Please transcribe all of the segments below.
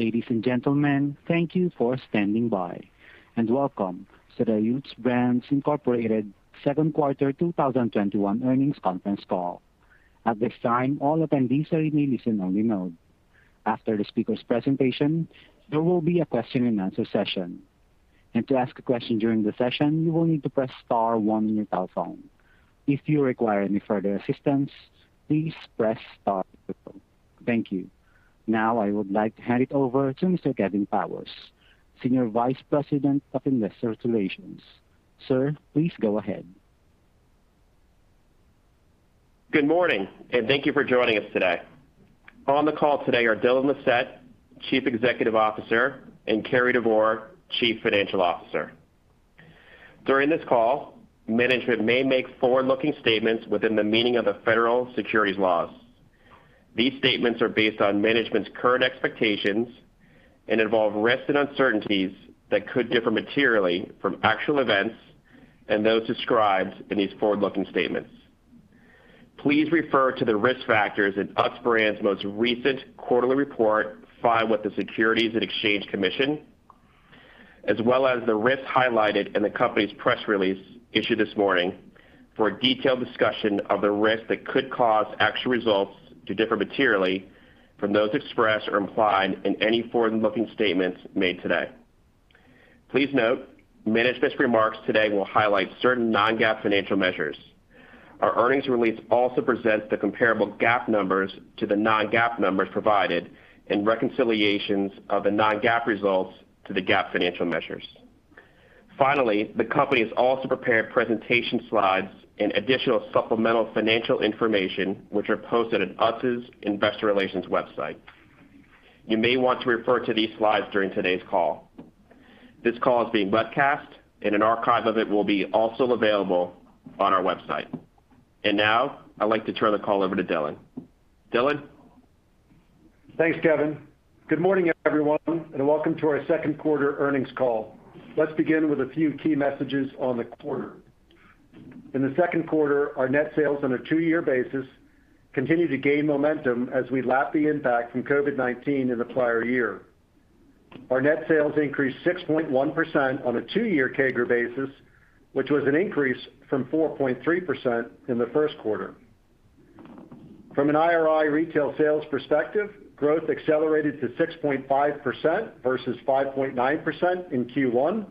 Ladies and gentlemen, thank you for standing by, and welcome to the Utz Brands, Incorporated Second Quarter 2021 Earnings Conference Call. At this time, all attendees are in listen-only mode. After the speakers' presentation, there will be a question and answer session. To ask a question during the session, you will need to press star one on your telephone. If you require any further assistance, please press star zero. Thank you. Now I would like to hand it over to Mr. Kevin Powers, Senior Vice President of Investor Relations. Sir, please go ahead. Good morning, and thank you for joining us today. On the call today are Dylan Lissette, Chief Executive Officer, and Cary Devore, Chief Financial Officer. During this call, management may make forward-looking statements within the meaning of the federal securities laws. These statements are based on management's current expectations and involve risks and uncertainties that could differ materially from actual events and those described in these forward-looking statements. Please refer to the risk factors in Utz Brands' most recent quarterly report filed with the Securities and Exchange Commission, as well as the risks highlighted in the company's press release issued this morning for a detailed discussion of the risks that could cause actual results to differ materially from those expressed or implied in any forward-looking statements made today. Please note, management's remarks today will highlight certain non-GAAP financial measures. Our earnings release also presents the comparable GAAP numbers to the non-GAAP numbers provided, and reconciliations of the non-GAAP results to the GAAP financial measures. The company has also prepared presentation slides and additional supplemental financial information, which are posted on Utz's investor relations website. You may want to refer to these slides during today's call. This call is being webcast, and an archive of it will be also available on our website. Now, I'd like to turn the call over to Dylan. Dylan? Thanks, Kevin. Good morning, everyone, and welcome to our Second Quarter Earnings Call. Let's begin with a few key messages on the quarter. In the second quarter, our net sales on a two-year basis continued to gain momentum as we lap the impact from COVID-19 in the prior year. Our net sales increased 6.1% on a two-year CAGR basis, which was an increase from 4.3% in the first quarter. From an IRI retail sales perspective, growth accelerated to 6.5% versus 5.9% in Q1,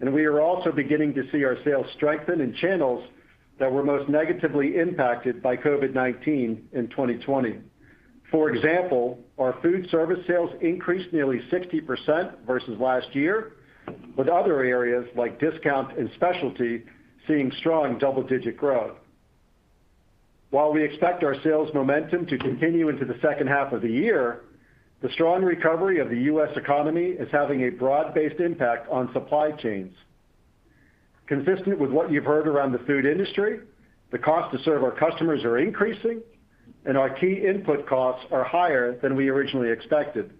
and we are also beginning to see our sales strengthen in channels that were most negatively impacted by COVID-19 in 2020. For example, our food service sales increased nearly 60% versus last year, with other areas like discount and specialty seeing strong double-digit growth. While we expect our sales momentum to continue into the second half of the year, the strong recovery of the U.S. economy is having a broad-based impact on supply chains. Consistent with what you've heard around the food industry, the cost to serve our customers are increasing, and our key input costs are higher than we originally expected.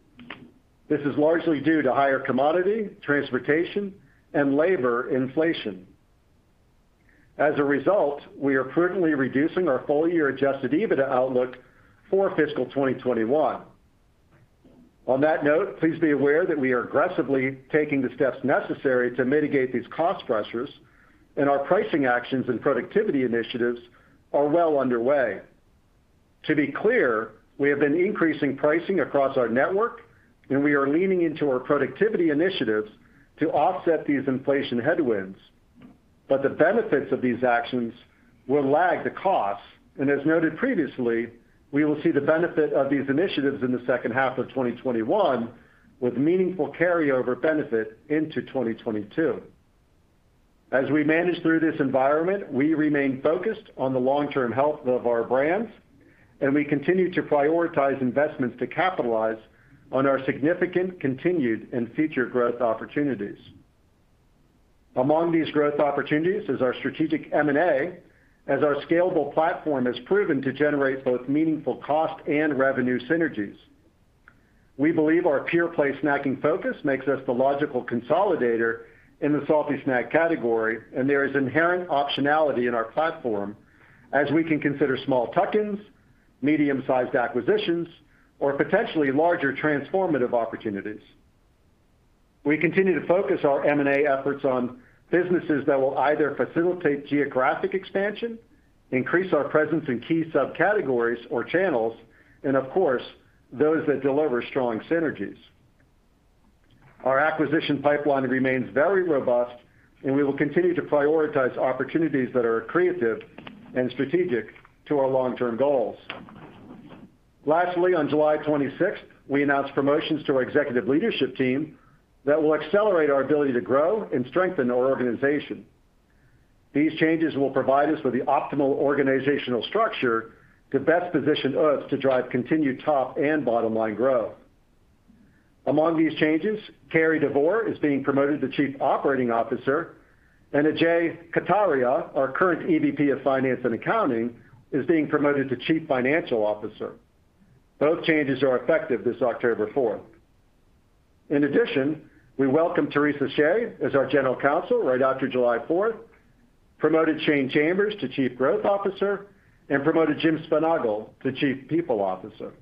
This is largely due to higher commodity, transportation, and labor inflation. As a result, we are prudently reducing our full-year adjusted EBITDA outlook for fiscal 2021. On that note, please be aware that we are aggressively taking the steps necessary to mitigate these cost pressures, and our pricing actions and productivity initiatives are well underway. To be clear, we have been increasing pricing across our network, and we are leaning into our productivity initiatives to offset these inflation headwinds, but the benefits of these actions will lag the costs. As noted previously, we will see the benefit of these initiatives in the second half of 2021, with meaningful carryover benefit into 2022. As we manage through this environment, we remain focused on the long-term health of our brands, and we continue to prioritize investments to capitalize on our significant continued and future growth opportunities. Among these growth opportunities is our strategic M&A, as our scalable platform has proven to generate both meaningful cost and revenue synergies. We believe our pure-play snacking focus makes us the logical consolidator in the salty snack category, and there is inherent optionality in our platform as we can consider small tuck-ins, medium-sized acquisitions, or potentially larger transformative opportunities. We continue to focus our M&A efforts on businesses that will either facilitate geographic expansion, increase our presence in key subcategories or channels, and of course, those that deliver strong synergies. Our acquisition pipeline remains very robust, and we will continue to prioritize opportunities that are creative and strategic to our long-term goals. Lastly, on July 26th, we announced promotions to our executive leadership team that will accelerate our ability to grow and strengthen our organization. These changes will provide us with the optimal organizational structure to best position us to drive continued top and bottom-line growth. Among these changes, Cary Devore is being promoted to Chief Operating Officer, and Ajay Kataria, our current EVP of Finance and Accounting, is being promoted to Chief Financial Officer. Both changes are effective this October 4th. In addition, we welcomed Theresa Shea as our General Counsel right after July 4th, promoted Shane Chambers to Chief Growth Officer, and promoted Jim Sponaugle to Chief People Officer.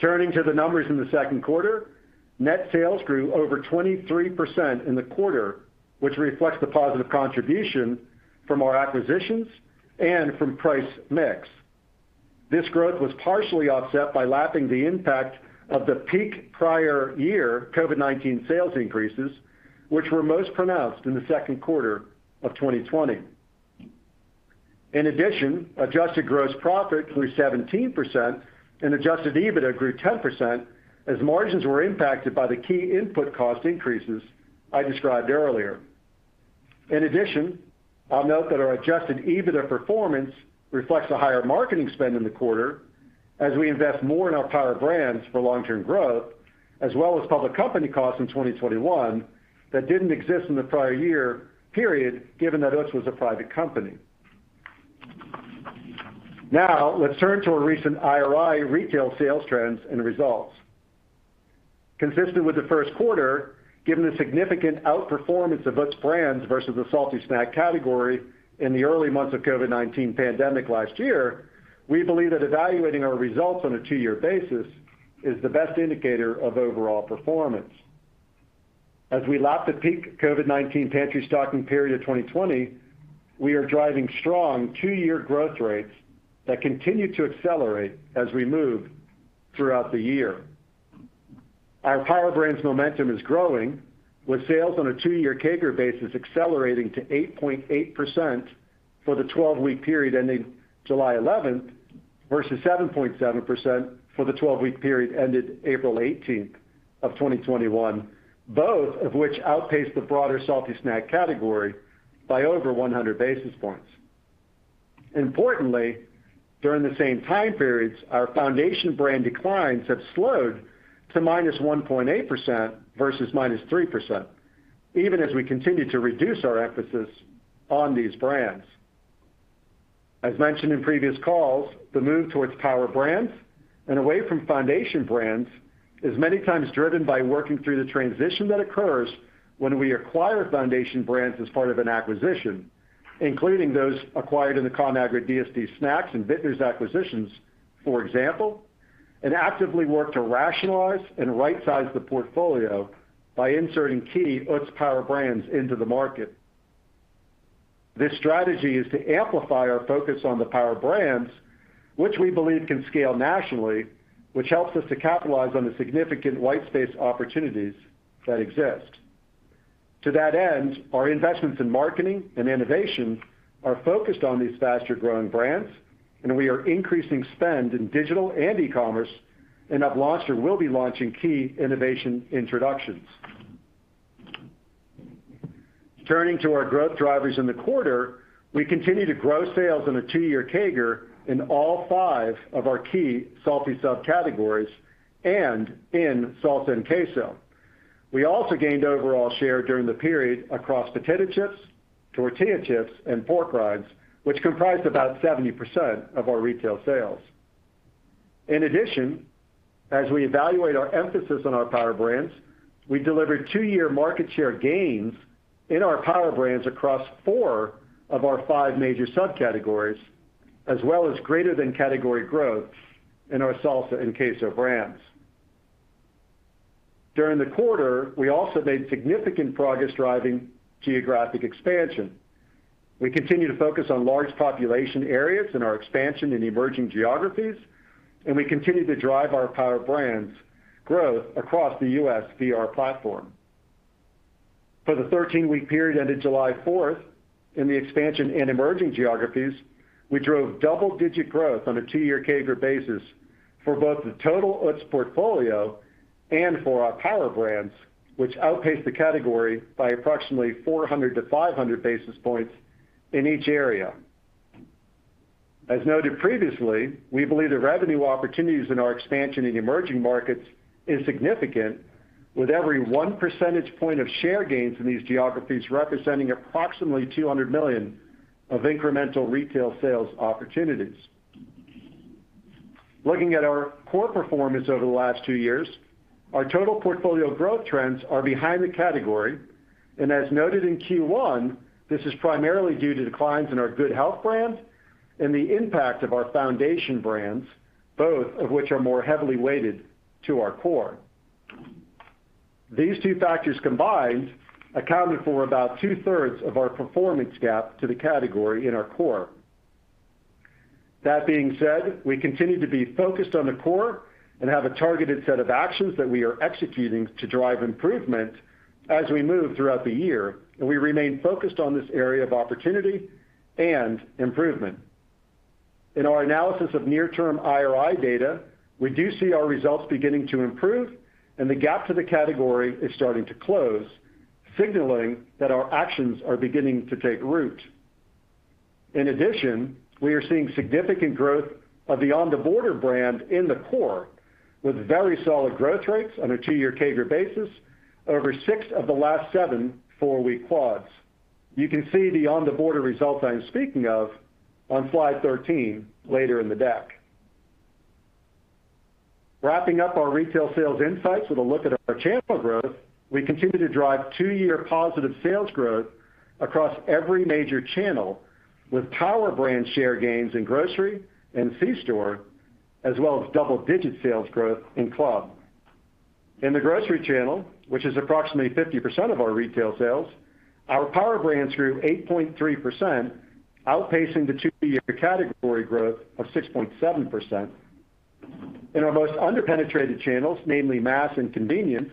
Turning to the numbers in the second quarter, net sales grew over 23% in the quarter, which reflects the positive contribution from our acquisitions and from price mix. This growth was partially offset by lapping the impact of the peak prior year COVID-19 sales increases, which were most pronounced in the second quarter of 2020. Adjusted gross profit grew 17% and adjusted EBITDA grew 10% as margins were impacted by the key input cost increases I described earlier. I'll note that our adjusted EBITDA performance reflects a higher marketing spend in the quarter as we invest more in our Power Brands for long-term growth, as well as public company costs in 2021 that didn't exist in the prior year period, given that Utz was a private company. Let's turn to a recent IRI retail sales trends and results. Consistent with the first quarter, given the significant outperformance of Utz Brands versus the salty snack category in the early months of COVID-19 pandemic last year, we believe that evaluating our results on a two-year basis is the best indicator of overall performance. As we lap the peak COVID-19 pantry stocking period of 2020, we are driving strong two-year growth rates that continue to accelerate as we move throughout the year. Our Power Brands momentum is growing with sales on a two-year CAGR basis accelerating to 8.8% for the 12-week period ending July 11th, versus 7.7% for the 12-week period ended April 18th of 2021, both of which outpaced the broader salty snack category by over 100 basis points. Importantly, during the same time periods, our Foundation brand declines have slowed to -1.8% versus -3%, even as we continue to reduce our emphasis on these brands. As mentioned in previous calls, the move towards Power Brands and away from Foundation brands is many times driven by working through the transition that occurs when we acquire Foundation brands as part of an acquisition, including those acquired in the Conagra DSD Snacks and Vitner's acquisitions, for example, and actively work to rationalize and rightsize the portfolio by inserting key Utz Power Brands into the market. This strategy is to amplify our focus on the Power Brands, which we believe can scale nationally, which helps us to capitalize on the significant white space opportunities that exist. To that end, our investments in marketing and innovation are focused on these faster-growing brands, and we are increasing spend in digital and e-commerce and have launched or will be launching key innovation introductions. Turning to our growth drivers in the quarter, we continue to grow sales on a two-year CAGR in all five of our key salty subcategories and in salsa and queso. We also gained overall share during the period across potato chips, tortilla chips and pork rinds, which comprise about 70% of our retail sales. In addition, as we evaluate our emphasis on our Power Brands, we delivered two-year market share gains in our Power Brands across four of our five major subcategories, as well as greater than category growth in our salsa and queso brands. During the quarter, we also made significant progress driving geographic expansion. We continue to focus on large population areas in our expansion in emerging geographies, and we continue to drive our Power Brands growth across the U.S. via our platform. For the 13-week period ended July 4th in the expansion in emerging geographies, we drove double-digit growth on a two-year CAGR basis for both the total Utz portfolio and for our Power Brands, which outpaced the category by approximately 400-500 basis points in each area. As noted previously, we believe the revenue opportunities in our expansion in emerging markets is significant, with every 1 percentage point of share gains in these geographies representing approximately $200 million of incremental retail sales opportunities. Looking at our core performance over the last two years, our total portfolio growth trends are behind the category. As noted in Q1, this is primarily due to declines in our Good Health brand and the impact of our Foundation brands, both of which are more heavily weighted to our core. These two factors combined accounted for about two-thirds of our performance gap to the category in our core. That being said, we continue to be focused on the core and have a targeted set of actions that we are executing to drive improvement as we move throughout the year, and we remain focused on this area of opportunity and improvement. In our analysis of near-term IRI data, we do see our results beginning to improve and the gap to the category is starting to close, signaling that our actions are beginning to take root. In addition, we are seeing significant growth of the On The Border brand in the core with very solid growth rates on a two-year CAGR basis over six of the last seven four-week quads. You can see the On The Border results I'm speaking of on slide 13 later in the deck. Wrapping up our retail sales insights with a look at our channel growth, we continue to drive two-year positive sales growth across every major channel, with Power Brands share gains in grocery and C-store, as well as double-digit sales growth in club. In the grocery channel, which is approximately 50% of our retail sales, our Power Brands grew 8.3%, outpacing the two-year category growth of 6.7%. In our most under-penetrated channels, namely mass and convenience,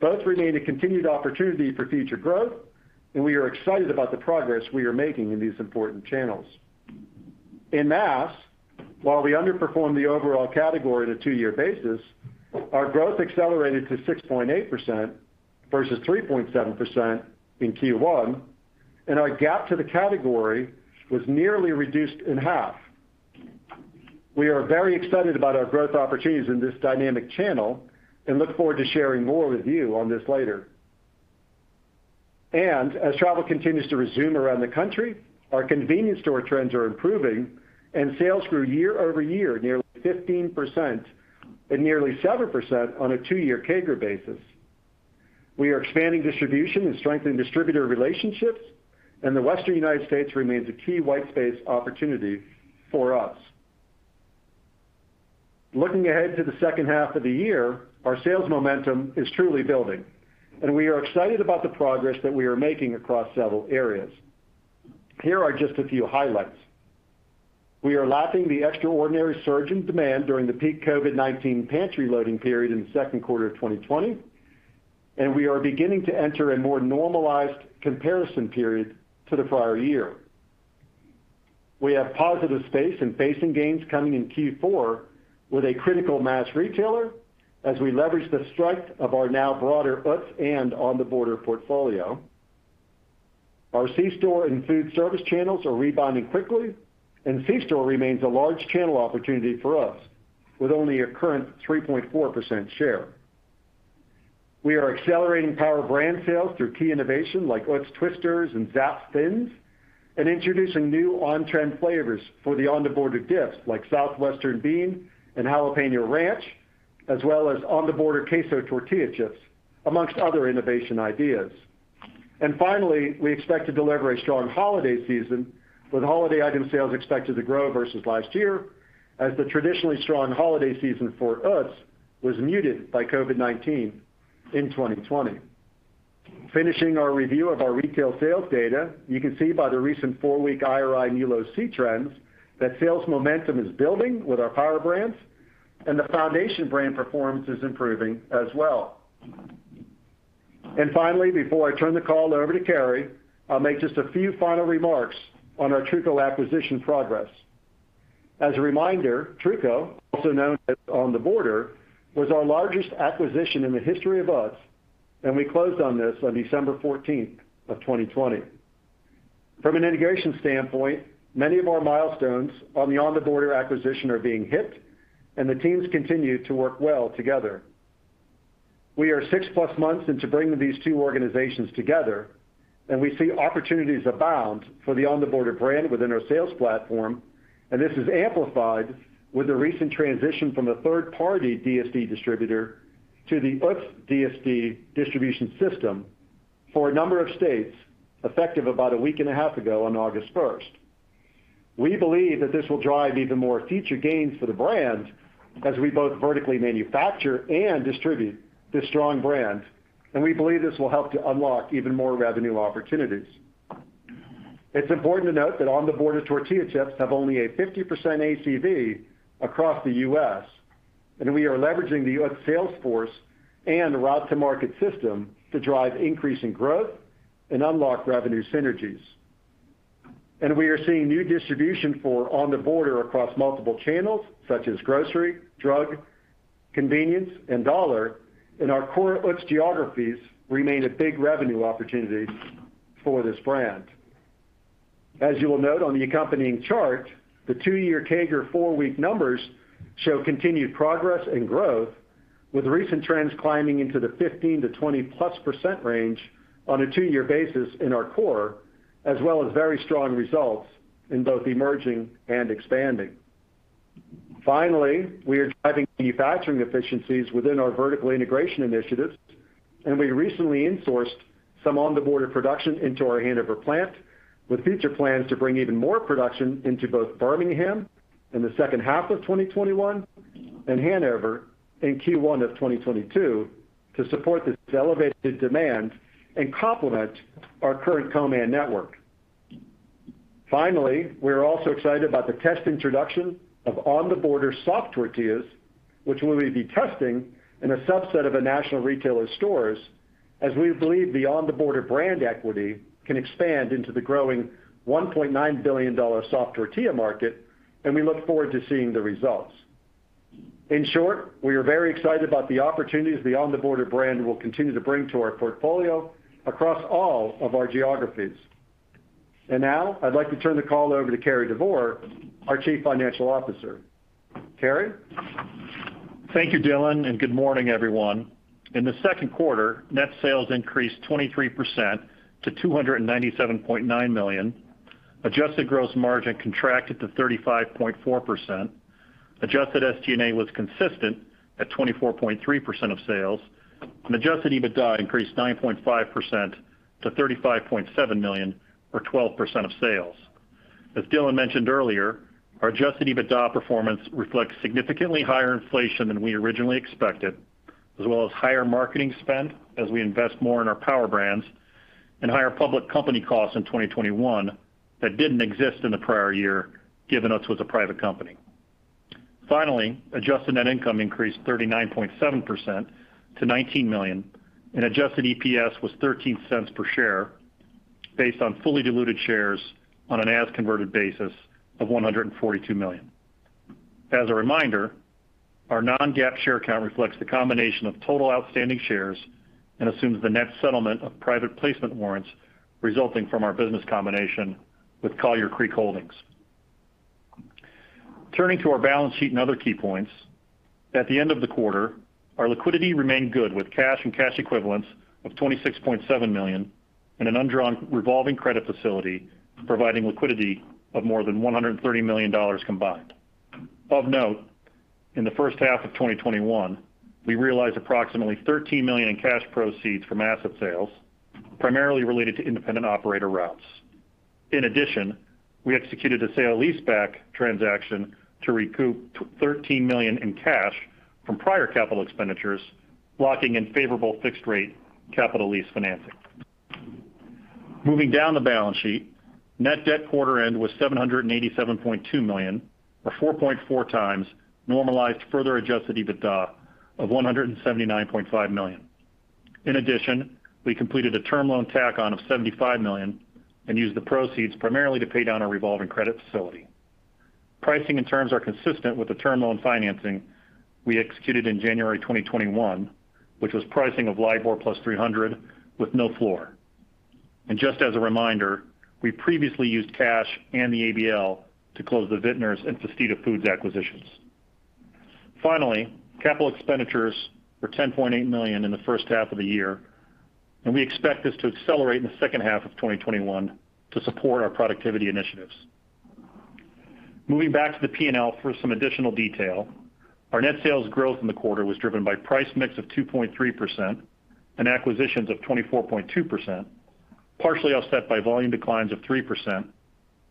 both remain a continued opportunity for future growth, and we are excited about the progress we are making in these important channels. In mass, while we underperformed the overall category on a two-year basis, our growth accelerated to 6.8% versus 3.7% in Q1, and our gap to the category was nearly reduced in half. We are very excited about our growth opportunities in this dynamic channel and look forward to sharing more with you on this later. As travel continues to resume around the country, our convenience store trends are improving and sales grew year-over-year nearly 15% and nearly 7% on a two-year CAGR basis. We are expanding distribution and strengthening distributor relationships, and the Western U.S. remains a key white space opportunity for us. Looking ahead to the second half of the year, our sales momentum is truly building, and we are excited about the progress that we are making across several areas. Here are just a few highlights. We are lapping the extraordinary surge in demand during the peak COVID-19 pantry loading period in the second quarter of 2020, and we are beginning to enter a more normalized comparison period to the prior year. We have positive space and facing gains coming in Q4 with a critical mass retailer as we leverage the strength of our now broader Utz and On The Border portfolio. Our C-store and food service channels are rebounding quickly, and C-store remains a large channel opportunity for us with only a current 3.4% share. We are accelerating Power Brands sales through key innovation like Utz Twisterz and Zapp's Thinz and introducing new on-trend flavors for the On The Border dips like Southwest Bean and Jalapeño Ranch, as well as On The Border Queso Tortilla Chips, amongst other innovation ideas. Finally, we expect to deliver a strong holiday season with holiday item sales expected to grow versus last year as the traditionally strong holiday season for Utz was muted by COVID-19 in 2020. Finishing our review of our retail sales data, you can see by the recent four-week IRI and MULO C trends that sales momentum is building with our Power Brands. The Foundation brand performance is improving as well. Finally, before I turn the call over to Cary, I'll make just a few final remarks on our Truco acquisition progress. As a reminder, Truco, also known as On The Border, was our largest acquisition in the history of Utz, and we closed on this on December 14th of 2020. From an integration standpoint, many of our milestones on the On The Border acquisition are being hit. The teams continue to work well together. We are six-plus months into bringing these two organizations together. We see opportunities abound for the On The Border brand within our sales platform, and this is amplified with the recent transition from a third-party DSD distributor to the Utz DSD distribution system for a number of states effective about a week and a half ago on August 1st. We believe that this will drive even more future gains for the brand as we both vertically manufacture and distribute this strong brand. We believe this will help to unlock even more revenue opportunities. It's important to note that On The Border tortilla chips have only a 50% ACV across the U.S. We are leveraging the U.S. sales force and route to market system to drive increase in growth and unlock revenue synergies. We are seeing new distribution for On The Border across multiple channels such as grocery, drug, convenience, and dollar, and our core Utz geographies remain a big revenue opportunity for this brand. As you will note on the accompanying chart, the two-year CAGR four-week numbers show continued progress and growth with recent trends climbing into the 15%-20%+ range on a two-year basis in our core, as well as very strong results in both emerging and expanding. Finally, we are driving manufacturing efficiencies within our vertical integration initiatives, and we recently in-sourced some On The Border production into our Hanover plant with future plans to bring even more production into both Birmingham in the second half of 2021 and Hanover in Q1 2022 to support this elevated demand and complement our current co-man network. Finally, we're also excited about the test introduction of On The Border soft tortillas, which we will be testing in a subset of a national retailer stores as we believe the On The Border brand equity can expand into the growing $1.9 billion soft tortilla market, and we look forward to seeing the results. In short, we are very excited about the opportunities the On The Border brand will continue to bring to our portfolio across all of our geographies. Now I'd like to turn the call over to Cary Devore, our Chief Financial Officer. Cary? Thank you, Dylan, and good morning, everyone. In the second quarter, net sales increased 23% to $297.9 million. Adjusted gross margin contracted to 35.4%. Adjusted SG&A was consistent at 24.3% of sales. Adjusted EBITDA increased 9.5% to $35.7 million or 12% of sales. As Dylan mentioned earlier, our adjusted EBITDA performance reflects significantly higher inflation than we originally expected, as well as higher marketing spend as we invest more in our Power Brands, and higher public company costs in 2021 that didn't exist in the prior year given Utz was a private company. Finally, adjusted net income increased 39.7% to $19 million, and adjusted EPS was $0.13 per share based on fully diluted shares on an as-converted basis of $142 million. As a reminder, our non-GAAP share count reflects the combination of total outstanding shares and assumes the net settlement of private placement warrants resulting from our business combination with Collier Creek Holdings. Turning to our balance sheet and other key points. At the end of the quarter, our liquidity remained good with cash and cash equivalents of $26.7 million and an undrawn revolving credit facility providing liquidity of more than $130 million combined. Of note, in the first half of 2021, we realized approximately $13 million in cash proceeds from asset sales, primarily related to independent operator routes. In addition, we executed a sale leaseback transaction to recoup $13 million in cash from prior capital expenditures, locking in favorable fixed rate capital lease financing. Moving down the balance sheet, net debt quarter end was $787.2 million or 4.4x normalized further adjusted EBITDA of $179.5 million. In addition, we completed a term loan tack on of $75 million and used the proceeds primarily to pay down our revolving credit facility. Pricing and terms are consistent with the term loan financing we executed in January 2021, which was pricing of LIBOR plus 300 with no floor. Just as a reminder, we previously used cash and the ABL to close the Vitner's and Festida Foods acquisitions. Finally, capital expenditures were $10.8 million in the first half of the year, and we expect this to accelerate in the second half of 2021 to support our productivity initiatives. Moving back to the P&L for some additional detail. Our net sales growth in the quarter was driven by price mix of 2.3% and acquisitions of 24.2%, partially offset by volume declines of 3%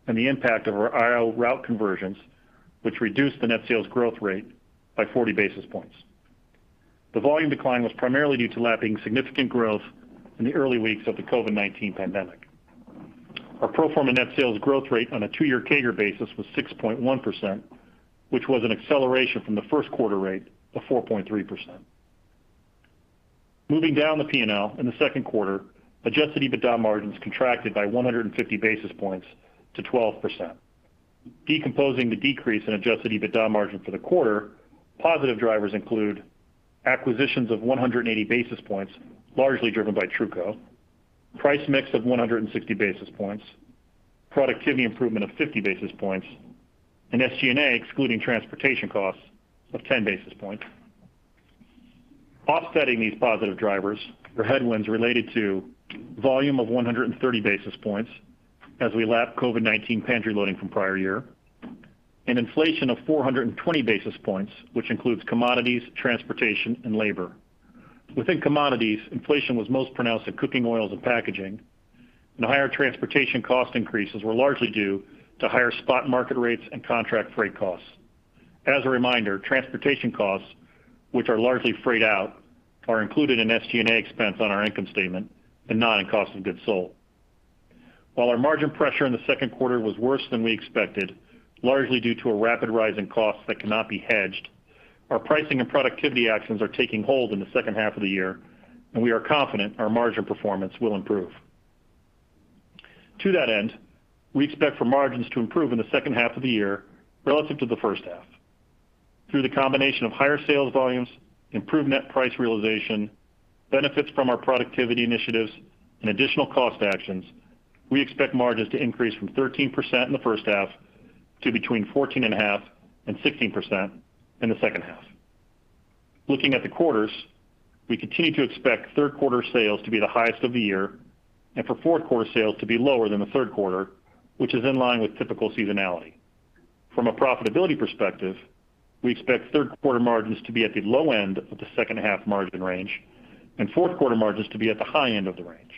and the impact of our IO route conversions, which reduced the net sales growth rate by 40 basis points. The volume decline was primarily due to lapping significant growth in the early weeks of the COVID-19 pandemic. Our pro forma net sales growth rate on a two-year CAGR basis was 6.1%, which was an acceleration from the first quarter rate of 4.3%. Moving down the P&L, in the second quarter, adjusted EBITDA margins contracted by 150 basis points to 12%. Decomposing the decrease in adjusted EBITDA margin for the quarter, positive drivers include acquisitions of 180 basis points, largely driven by Truco, price mix of 160 basis points, productivity improvement of 50 basis points and SG&A, excluding transportation costs, of 10 basis points. Offsetting these positive drivers were headwinds related to volume of 130 basis points as we lap COVID-19 pantry loading from prior year and inflation of 420 basis points, which includes commodities, transportation, and labor. Within commodities, inflation was most pronounced in cooking oils and packaging, and the higher transportation cost increases were largely due to higher spot market rates and contract freight costs. As a reminder, transportation costs, which are largely freight out, are included in SG&A expense on our income statement and not in cost of goods sold. While our margin pressure in the second quarter was worse than we expected, largely due to a rapid rise in costs that cannot be hedged, our pricing and productivity actions are taking hold in the second half of the year, and we are confident our margin performance will improve. To that end, we expect for margins to improve in the second half of the year relative to the first half. Through the combination of higher sales volumes, improved net price realization, benefits from our productivity initiatives and additional cost actions, we expect margins to increase from 13% in the first half to between 14.5% and 16% in the second half. Looking at the quarters, we continue to expect third quarter sales to be the highest of the year, and for fourth quarter sales to be lower than the third quarter, which is in line with typical seasonality. From a profitability perspective, we expect third quarter margins to be at the low end of the second half margin range and fourth quarter margins to be at the high end of the range.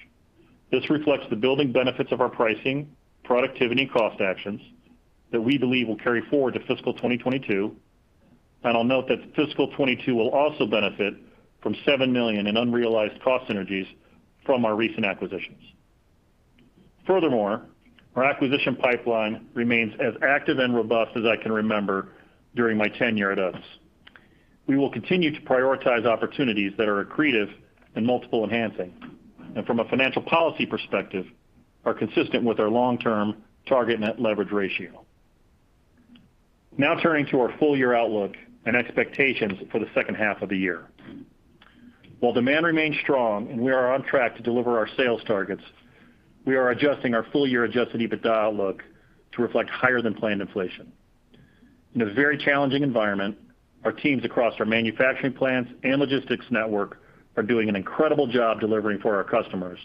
This reflects the building benefits of our pricing, productivity, and cost actions that we believe will carry forward to fiscal 2022. I'll note that fiscal 2022 will also benefit from $7 million in unrealized cost synergies from our recent acquisitions. Furthermore, our acquisition pipeline remains as active and robust as I can remember during my tenure at Utz. We will continue to prioritize opportunities that are accretive and multiple enhancing, and from a financial policy perspective, are consistent with our long-term target net leverage ratio. Turning to our full year outlook and expectations for the second half of the year. While demand remains strong and we are on track to deliver our sales targets, we are adjusting our full-year adjusted EBITDA outlook to reflect higher than planned inflation. In a very challenging environment, our teams across our manufacturing plants and logistics network are doing an incredible job delivering for our customers.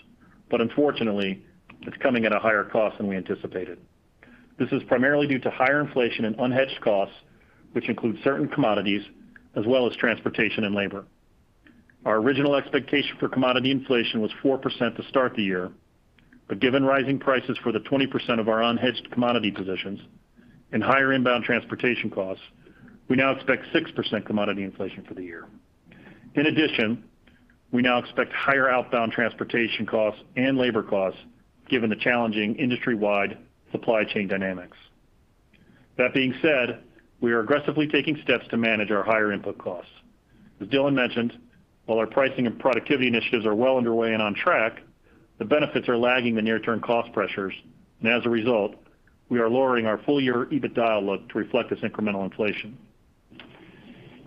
Unfortunately, it's coming at a higher cost than we anticipated. This is primarily due to higher inflation and unhedged costs, which include certain commodities, as well as transportation and labor. Our original expectation for commodity inflation was 4% to start the year, but given rising prices for the 20% of our unhedged commodity positions and higher inbound transportation costs, we now expect 6% commodity inflation for the year. In addition, we now expect higher outbound transportation costs and labor costs given the challenging industry-wide supply chain dynamics. That being said, we are aggressively taking steps to manage our higher input costs. As Dylan mentioned, while our pricing and productivity initiatives are well underway and on track, the benefits are lagging the near-term cost pressures, and as a result, we are lowering our full-year EBITDA outlook to reflect this incremental inflation.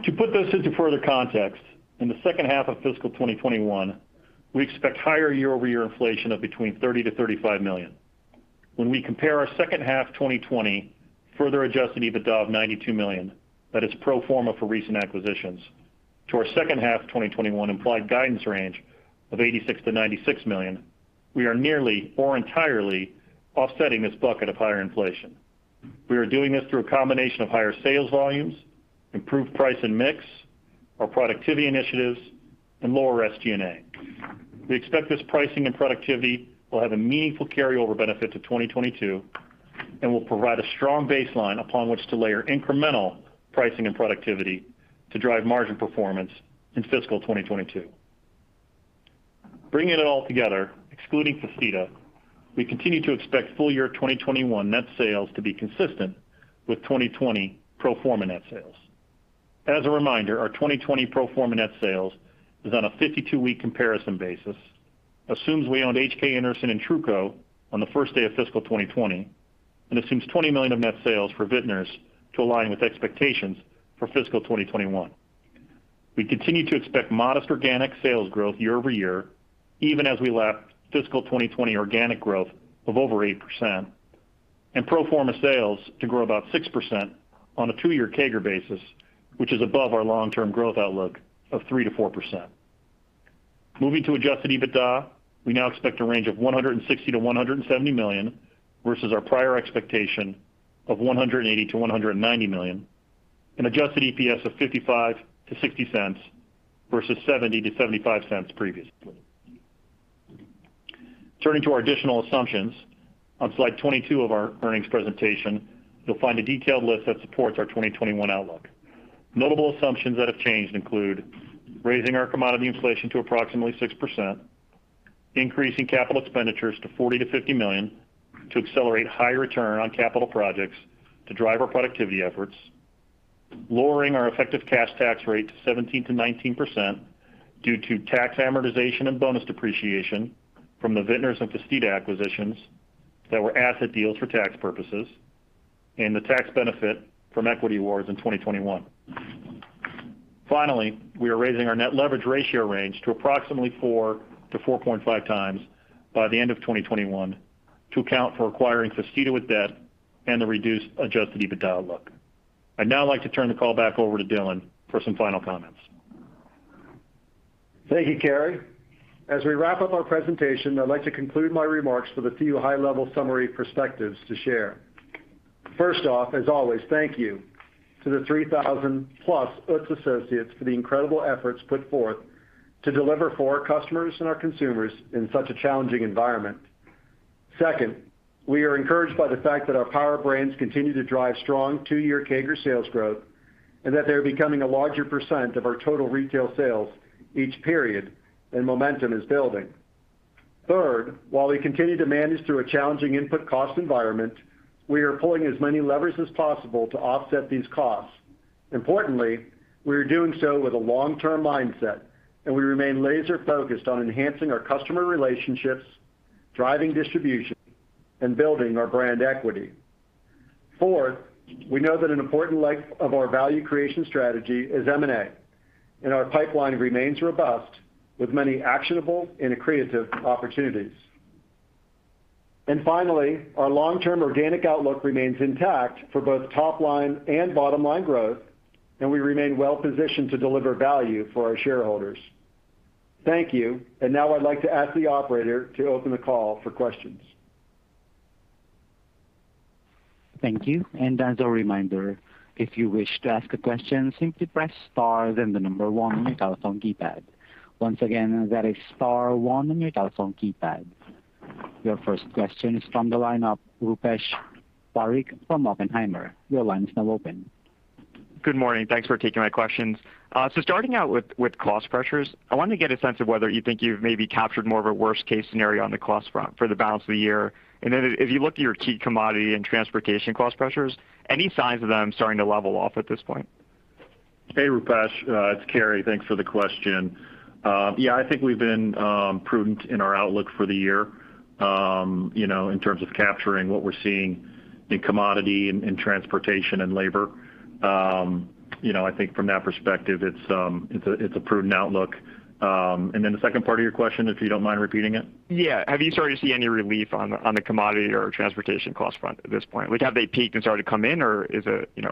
To put this into further context, in the second half of fiscal 2021, we expect higher year-over-year inflation of between $30 million-$35 million. When we compare our second half 2020 further adjusted EBITDA of $92 million, that is pro forma for recent acquisitions, to our second half 2021 implied guidance range of $86 million-$96 million, we are nearly or entirely offsetting this bucket of higher inflation. We are doing this through a combination of higher sales volumes, improved price and mix, our productivity initiatives, and lower SG&A. We expect this pricing and productivity will have a meaningful carryover benefit to 2022 and will provide a strong baseline upon which to layer incremental pricing and productivity to drive margin performance in fiscal 2022. Bringing it all together, excluding Festida, we continue to expect full-year 2021 net sales to be consistent with 2020 pro forma net sales. As a reminder, our 2020 pro forma net sales is on a 52-week comparison basis, assumes we owned H.K. Anderson and Truco on the first day of fiscal 2020, and assumes $20 million of net sales for Vitner's to align with expectations for fiscal 2021. We continue to expect modest organic sales growth year-over-year, even as we lap fiscal 2020 organic growth of over 8%, and pro forma sales to grow about 6% on a two-year CAGR basis, which is above our long-term growth outlook of 3%-4%. Moving to adjusted EBITDA, we now expect a range of $160 million-$170 million versus our prior expectation of $180 million-$190 million, and adjusted EPS of $0.55-$0.60 versus $0.70-$0.75 previously. Turning to our additional assumptions, on slide 22 of our earnings presentation, you'll find a detailed list that supports our 2021 outlook. Notable assumptions that have changed include raising our commodity inflation to approximately 6%, increasing capital expenditures to $40 million-$50 million to accelerate higher return on capital projects to drive our productivity efforts, lowering our effective cash tax rate to 17%-19% due to tax amortization and bonus depreciation from the Vitner's and Festida acquisitions that were asset deals for tax purposes, and the tax benefit from equity awards in 2021. Finally, we are raising our net leverage ratio range to approximately 4-4.5x by the end of 2021 to account for acquiring Festida with debt and the reduced adjusted EBITDA outlook. I'd now like to turn the call back over to Dylan for some final comments. Thank you, Cary. As we wrap up our presentation, I'd like to conclude my remarks with a few high-level summary perspectives to share. First off, as always, thank you to the 3,000-plus Utz associates for the incredible efforts put forth to deliver for our customers and our consumers in such a challenging environment. Second, we are encouraged by the fact that our Power Brands continue to drive strong two-year CAGR sales growth and that they are becoming a larger percent of our total retail sales each period and momentum is building. Third, while we continue to manage through a challenging input cost environment, we are pulling as many levers as possible to offset these costs. Importantly, we are doing so with a long-term mindset, and we remain laser-focused on enhancing our customer relationships, driving distribution, and building our brand equity. Fourth, we know that an important leg of our value creation strategy is M&A, and our pipeline remains robust with many actionable and accretive opportunities. Finally, our long-term organic outlook remains intact for both top line and bottom line growth, and we remain well-positioned to deliver value for our shareholders. Thank you. Now I'd like to ask the operator to open the call for questions. Thank you. As a reminder, if you wish to ask a question, simply press star then the number one on your telephone keypad. Once again, that is star one on your telephone keypad. Your first question is from the line of Rupesh Parikh from Oppenheimer. Your line is now open. Good morning. Thanks for taking my questions. Starting out with cost pressures, I wanted to get a sense of whether you think you've maybe captured more of a worst-case scenario on the cost front for the balance of the year. If you look at your key commodity and transportation cost pressures, any signs of them starting to level off at this point? Hey, Rupesh. It's Cary. Thanks for the question. Yeah, I think we've been prudent in our outlook for the year in terms of capturing what we're seeing in commodity and transportation and labor. I think from that perspective, it's a prudent outlook. Then the second part of your question, if you don't mind repeating it? Yeah. Have you started to see any relief on the commodity or transportation cost front at this point? Have they peaked and started to come in, or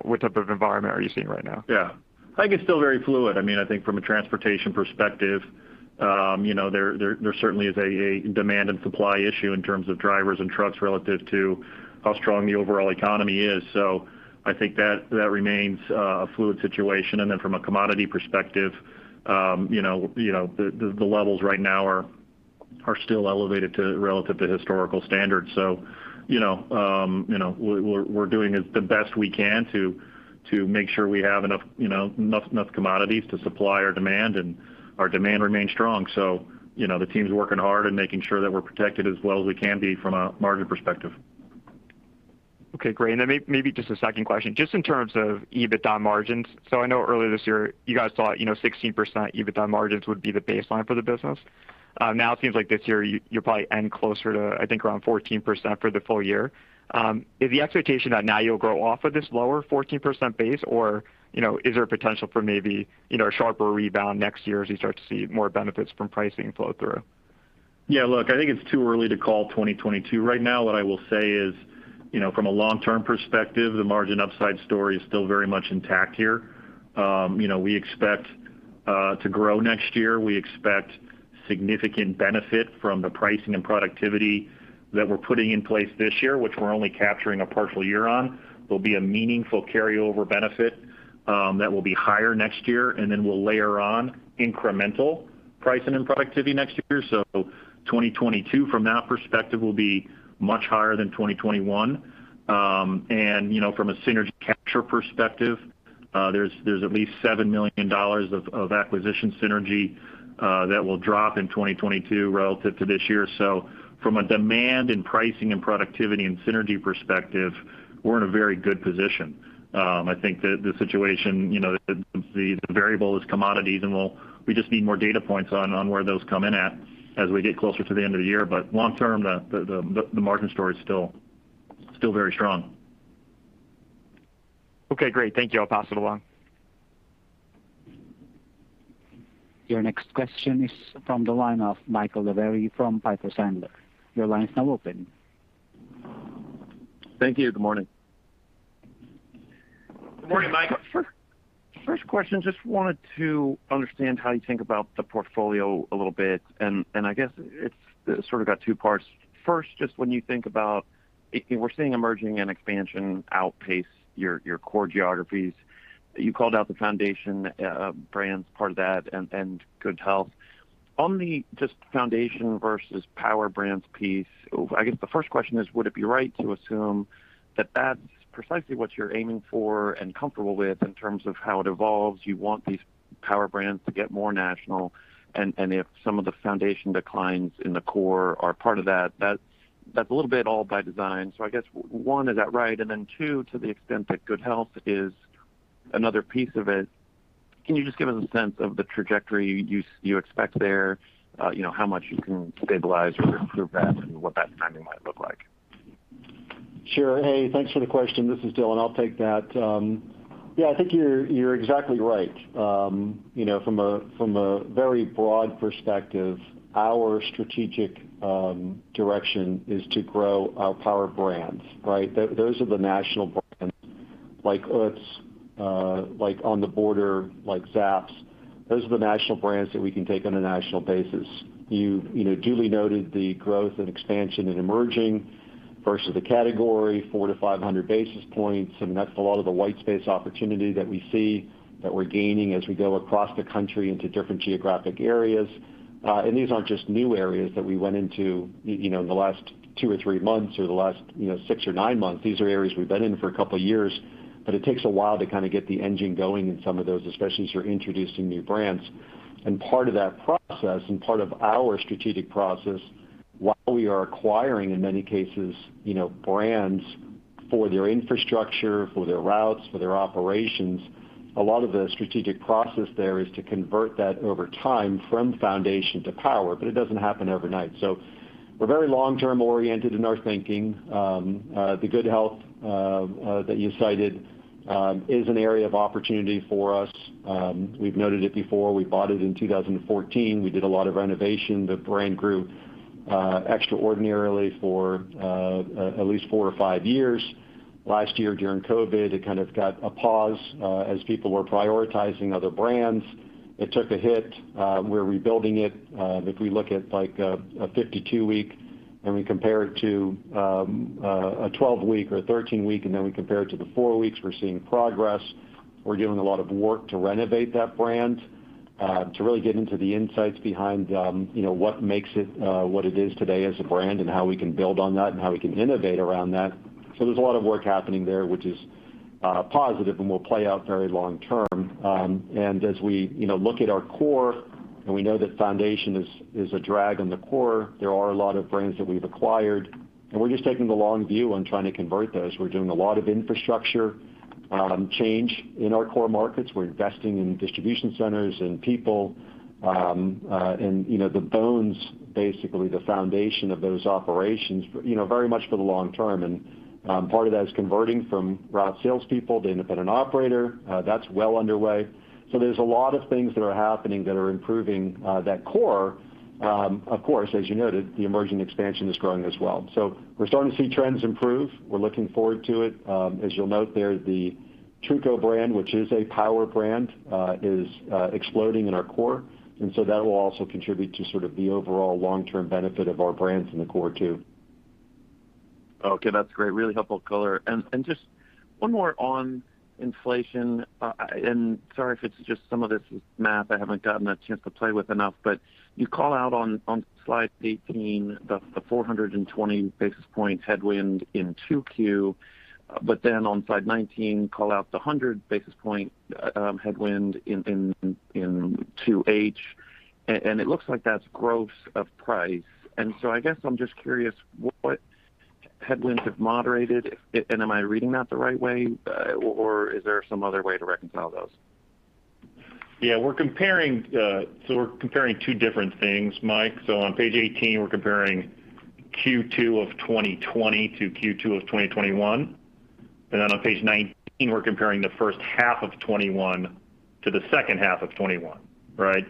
what type of environment are you seeing right now? Yeah. I think it's still very fluid. I think from a transportation perspective, there certainly is a demand and supply issue in terms of drivers and trucks relative to how strong the overall economy is. I think that remains a fluid situation. From a commodity perspective, the levels right now are still elevated relative to historical standards. We're doing the best we can to make sure we have enough commodities to supply our demand, and our demand remains strong. The team's working hard and making sure that we're protected as well as we can be from a margin perspective. Okay, great. Maybe just a second question, just in terms of EBITDA margins. I know earlier this year you guys thought 16% EBITDA margins would be the baseline for the business. Now it seems like this year you'll probably end closer to, I think, around 14% for the full year. Is the expectation that now you'll grow off of this lower 14% base, or is there potential for maybe a sharper rebound next year as you start to see more benefits from pricing flow through? Yeah, look, I think it's too early to call 2022. Right now what I will say is, from a long-term perspective, the margin upside story is still very much intact here. We expect to grow next year. We expect significant benefit from the pricing and productivity that we're putting in place this year, which we're only capturing a partial year on. There will be a meaningful carryover benefit that will be higher next year, and then we'll layer on incremental pricing and productivity next year. 2022, from that perspective, will be much higher than 2021. From a synergy capture perspective, there's at least $7 million of acquisition synergy that will drop in 2022 relative to this year. From a demand in pricing and productivity and synergy perspective, we're in a very good position. I think that the situation, the variable is commodities, and we just need more data points on where those come in at as we get closer to the end of the year. Long term, the margin story is still very strong. Okay, great. Thank you. I'll pass it along. Your next question is from the line of Michael Lavery from Piper Sandler. Thank you. Good morning. Good morning, Mike. First question, just wanted to understand how you think about the portfolio a little bit, and I guess it's sort of got two parts. First, just when you think about, we're seeing emerging and expansion outpace your core geographies. You called out the Foundation Brands part of that and Good Health. On the just Foundation versus Power Brands piece, I guess the first question is, would it be right to assume that that's precisely what you're aiming for and comfortable with in terms of how it evolves? Do you want these Power Brands to get more national? If some of the Foundation declines in the core are part of that's a little bit all by design. I guess, one, is that right? Two, to the extent that Good Health is another piece of it, can you just give us a sense of the trajectory you expect there? How much you can stabilize or improve that and what that timing might look like? Sure. Hey, thanks for the question. This is Dylan. I'll take that. Yeah, I think you're exactly right. From a very broad perspective, our strategic direction is to grow our Power Brands, right? Those are the national brands like Utz, like On The Border, like Zapp's. Those are the national brands that we can take on a national basis. You duly noted the growth and expansion in emerging versus the category 400-500 basis points, and that's a lot of the white space opportunity that we see that we're gaining as we go across the country into different geographic areas. These aren't just new areas that we went into in the last two or three months or the last six or nine months. These are areas we've been in for a couple of years. It takes a while to kind of get the engine going in some of those, especially as you're introducing new brands. Part of that process and part of our strategic process while we are acquiring, in many cases, brands for their infrastructure, for their routes, for their operations. A lot of the strategic process there is to convert that over time from Foundation to Power Brands, it doesn't happen overnight. We're very long-term oriented in our thinking. The Good Health that you cited is an area of opportunity for us. We've noted it before. We bought it in 2014. We did a lot of renovation. The brand grew extraordinarily for at least four or five years. Last year during COVID-19, it kind of got a pause as people were prioritizing other brands. It took a hit. We're rebuilding it. If we look at a 52-week and we compare it to a 12-week or 13-week, and then we compare it to the four weeks, we're seeing progress. We're doing a lot of work to renovate that brand, to really get into the insights behind what makes it what it is today as a brand and how we can build on that and how we can innovate around that. There's a lot of work happening there, which is positive and will play out very long term. As we look at our core, and we know that Foundation is a drag on the core, there are a lot of brands that we've acquired, and we're just taking the long view on trying to convert those. We're doing a lot of infrastructure change in our core markets. We're investing in distribution centers and people, and the bones, basically, the foundation of those operations very much for the long term. Part of that is converting from route salespeople to independent operator. That's well underway. There's a lot of things that are happening that are improving that core. Of course, as you noted, the emerging expansion is growing as well. We're starting to see trends improve. We're looking forward to it. As you'll note there, the Truco brand, which is a Power Brand, is exploding in our core. That will also contribute to sort of the overall long-term benefit of our brands in the core, too. Okay, that's great. Really helpful color. Just one more on inflation, and sorry if it's just some of this is math I haven't gotten a chance to play with enough, but you call out on slide 18 the 420 basis points headwind in 2Q. On slide 19, call out the 100 basis point headwind in 2H, and it looks like that's growth of price. I guess I'm just curious what headwinds have moderated, and am I reading that the right way, or is there some other way to reconcile those? Yeah, we're comparing two different things, Mike. On page 18, we're comparing Q2 of 2020 to Q2 of 2021, and then on page 19, we're comparing the first half of 2021 to the second half of 2021. Right.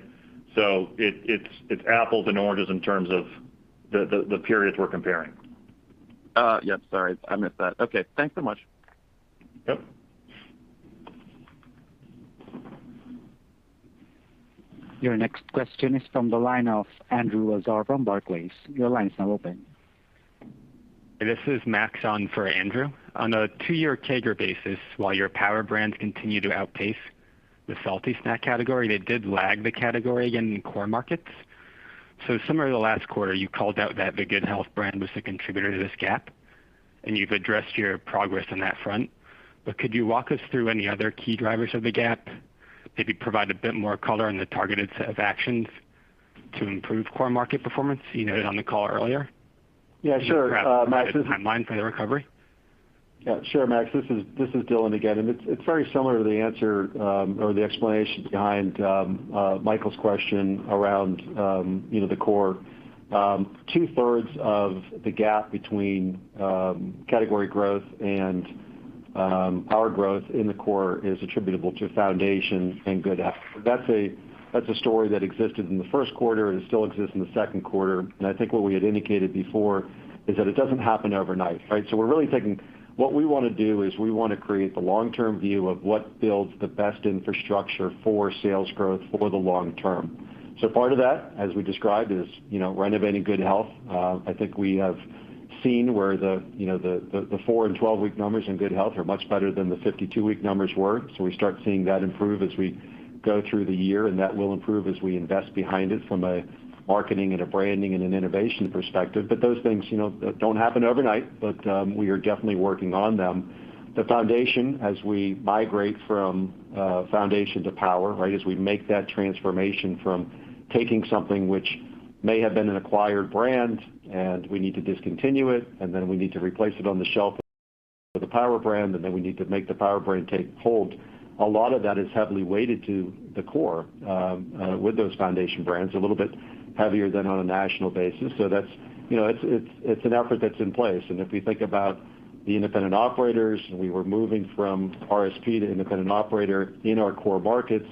It's apples and oranges in terms of the periods we're comparing. Yep. Sorry, I missed that. Okay, thanks so much. Yep. Your next question is from the line of Andrew Lazar from Barclays. Your line is now open. This is Max on for Andrew. On a two-year CAGR basis, while your Power Brands continue to outpace the salty snack category, they did lag the category in core markets. Somewhere in the last quarter, you called out that the Good Health brand was the contributor to this gap, and you've addressed your progress on that front. Could you walk us through any other key drivers of the gap, maybe provide a bit more color on the targeted set of actions to improve core market performance you noted on the call earlier? Yeah, sure, Max. Perhaps a timeline for the recovery. Sure, Max. This is Dylan again. It's very similar to the answer or the explanation behind Michael's question around the core. Two-thirds of the gap between category growth and power growth in the core is attributable to Foundation and Good Health. That's a story that existed in the first quarter and still exists in the second quarter. I think what we had indicated before is that it doesn't happen overnight. Right? We want to do is we want to create the long-term view of what builds the best infrastructure for sales growth for the long term. Part of that, as we described, is renovating Good Health. I think we have seen where the four and 12-week numbers in Good Health are much better than the 52-week numbers were. We start seeing that improve as we go through the year, and that will improve as we invest behind it from a marketing and a branding and an innovation perspective. Those things don't happen overnight, but we are definitely working on them. The Foundation, as we migrate from Foundation to Power Brands, right, as we make that transformation from taking something which may have been an acquired brand and we need to discontinue it, and then we need to replace it on the shelf with a Power Brand, and then we need to make the Power Brand take hold. A lot of that is heavily weighted to the core with those Foundation Brands, a little bit heavier than on a national basis. It's an effort that's in place. If we think about the independent operators, and we were moving from RSP to independent operator in our core markets,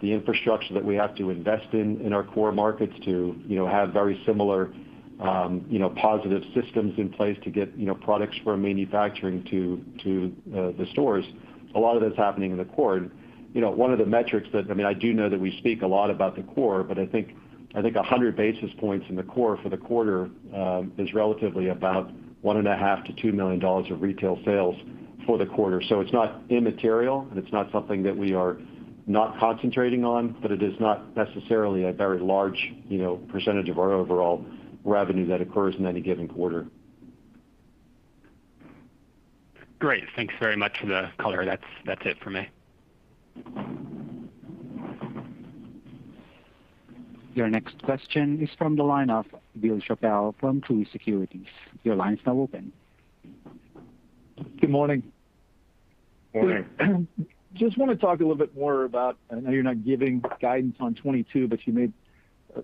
the infrastructure that we have to invest in in our core markets to have very similar positive systems in place to get products from manufacturing to the stores. A lot of that's happening in the core. One of the metrics I do know that we speak a lot about the core, but I think 100 basis points in the core for the quarter is relatively about $1.5 million-$2 million of retail sales for the quarter. It's not immaterial and it's not something that we are not concentrating on, but it is not necessarily a very large percentage of our overall revenue that occurs in any given quarter. Great. Thanks very much for the color. That's it for me. Your next question is from the line of Bill Chappell from Truist Securities. Your line is now open. Good morning. Morning. I want to talk a little bit more about, I know you're not giving guidance on 2022, but you made a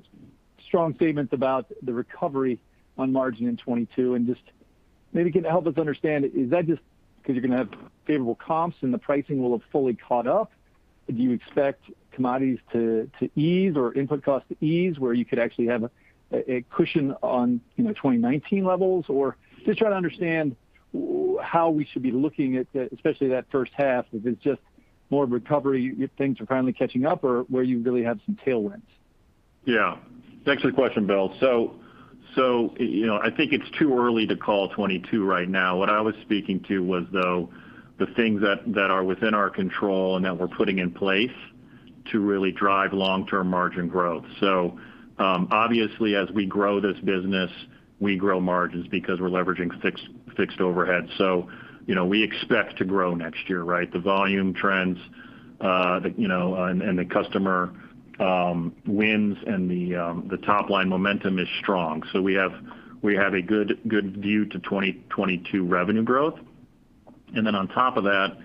strong statement about the recovery on margin in 2022, and just maybe can help us understand, is that just because you're going to have favorable comps and the pricing will have fully caught up? Do you expect commodities to ease or input cost to ease, where you could actually have a cushion on 2019 levels? Just trying to understand how we should be looking at, especially that first half, if it's just more of a recovery, if things are finally catching up or where you really have some tailwinds. Yeah. Thanks for the question, Bill. I think it's too early to call 2022 right now. What I was speaking to was, though, the things that are within our control and that we're putting in place to really drive long-term margin growth. Obviously, as we grow this business, we grow margins because we're leveraging fixed overhead. We expect to grow next year, right? The volume trends and the customer wins and the top-line momentum is strong. We have a good view to 2022 revenue growth. On top of that,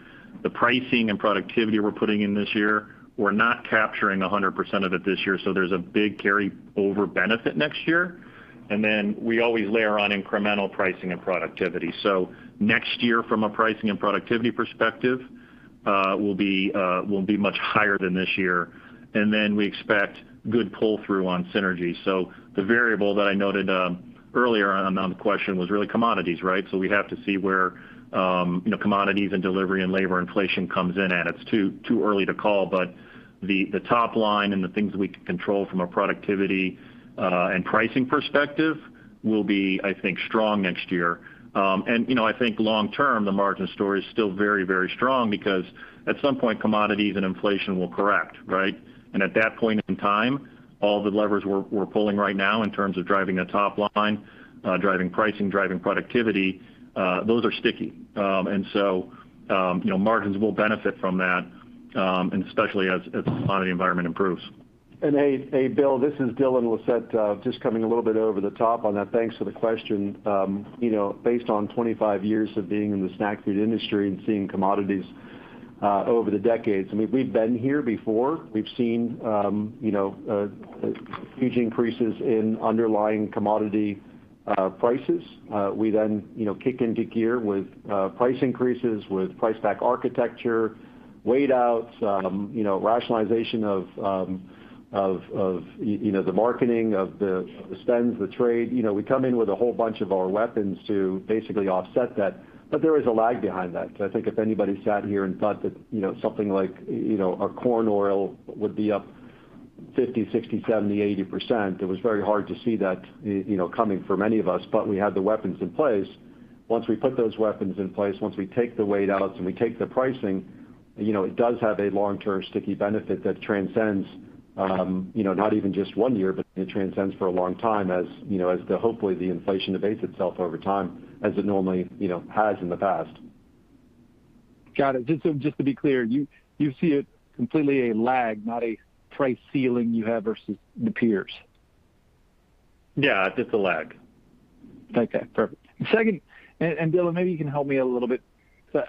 the pricing and productivity we're putting in this year, we're not capturing 100% of it this year, so there's a big carryover benefit next year. We always layer on incremental pricing and productivity. Next year from a pricing and productivity perspective will be much higher than this year. We expect good pull-through on synergy. The variable that I noted earlier on the question was really commodities, right? We have to see where commodities and delivery and labor inflation comes in at. It's too early to call, but the top line and the things we can control from a productivity and pricing perspective will be, I think, strong next year. I think long term, the margin story is still very strong because at some point, commodities and inflation will correct, right? At that point in time, all the levers we're pulling right now in terms of driving the top line, driving pricing, driving productivity, those are sticky. Margins will benefit from that, and especially as the commodity environment improves. Hey, Bill, this is Dylan Lissette, just coming a little bit over the top on that. Thanks for the question. Based on 25 years of being in the snack food industry and seeing commodities over the decades, I mean, we have been here before. We have seen huge increases in underlying commodity prices. We kick into gear with price increases, with price pack architecture, weight outs, rationalization of the marketing, of the spends, the trade. We come in with a whole bunch of our weapons to basically offset that. There is a lag behind that. I think if anybody sat here and thought that something like a corn oil would be up 50%, 60%, 70%, 80%, it was very hard to see that coming for many of us, but we had the weapons in place. Once we put those weapons in place, once we take the weight outs and we take the pricing, it does have a long-term sticky benefit that transcends, not even just one year, but it transcends for a long time as hopefully the inflation abates itself over time as it normally has in the past. Got it. Just to be clear, you see it completely a lag, not a price ceiling you have versus the peers? Yeah, just a lag. Okay, perfect. Second, Dylan, maybe you can help me a little bit.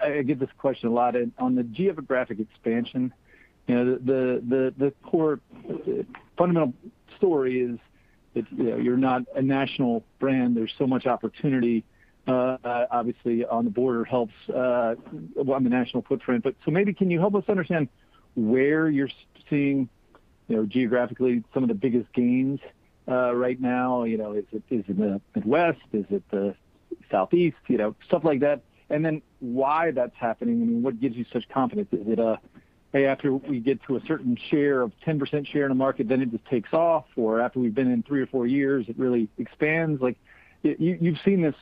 I get this question a lot. On the geographic expansion, the core fundamental story is that you're not a national brand. There's so much opportunity. Obviously, On The Border helps on the national footprint. Maybe can you help us understand where you're seeing geographically some of the biggest gains right now? Is it the Midwest? Is it the Southeast? Stuff like that, why that's happening and what gives you such confidence? Is it a, hey, after we get to a certain share of 10% share in the market, then it just takes off? After we've been in three or four years, it really expands? You've seen this,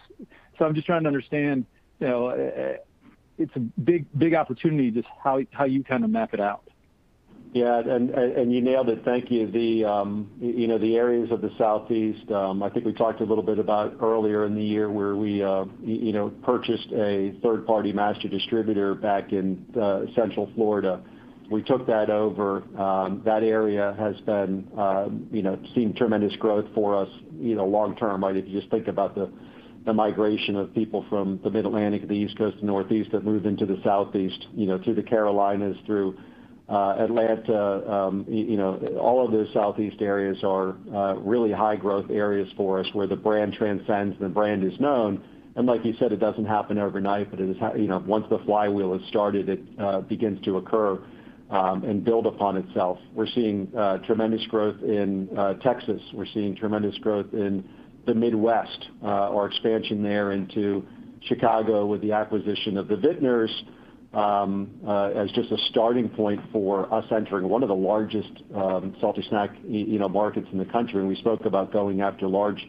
I'm just trying to understand, it's a big opportunity, just how you kind of map it out. You nailed it. Thank you. The areas of the Southeast, I think we talked a little bit about earlier in the year where we purchased a third-party master distributor back in Central Florida. We took that over. That area has been seeing tremendous growth for us long term, right? If you just think about the migration of people from the Mid-Atlantic to the East Coast to Northeast that move into the Southeast, through the Carolinas, through Atlanta. All of those Southeast areas are really high growth areas for us where the brand transcends, the brand is known. Like you said, it doesn't happen overnight, but once the flywheel is started, it begins to occur and build upon itself. We're seeing tremendous growth in Texas. We're seeing tremendous growth in the Midwest. Our expansion there into Chicago with the acquisition of the Vitner's as just a starting point for us entering one of the largest salty snack markets in the country. We spoke about going after large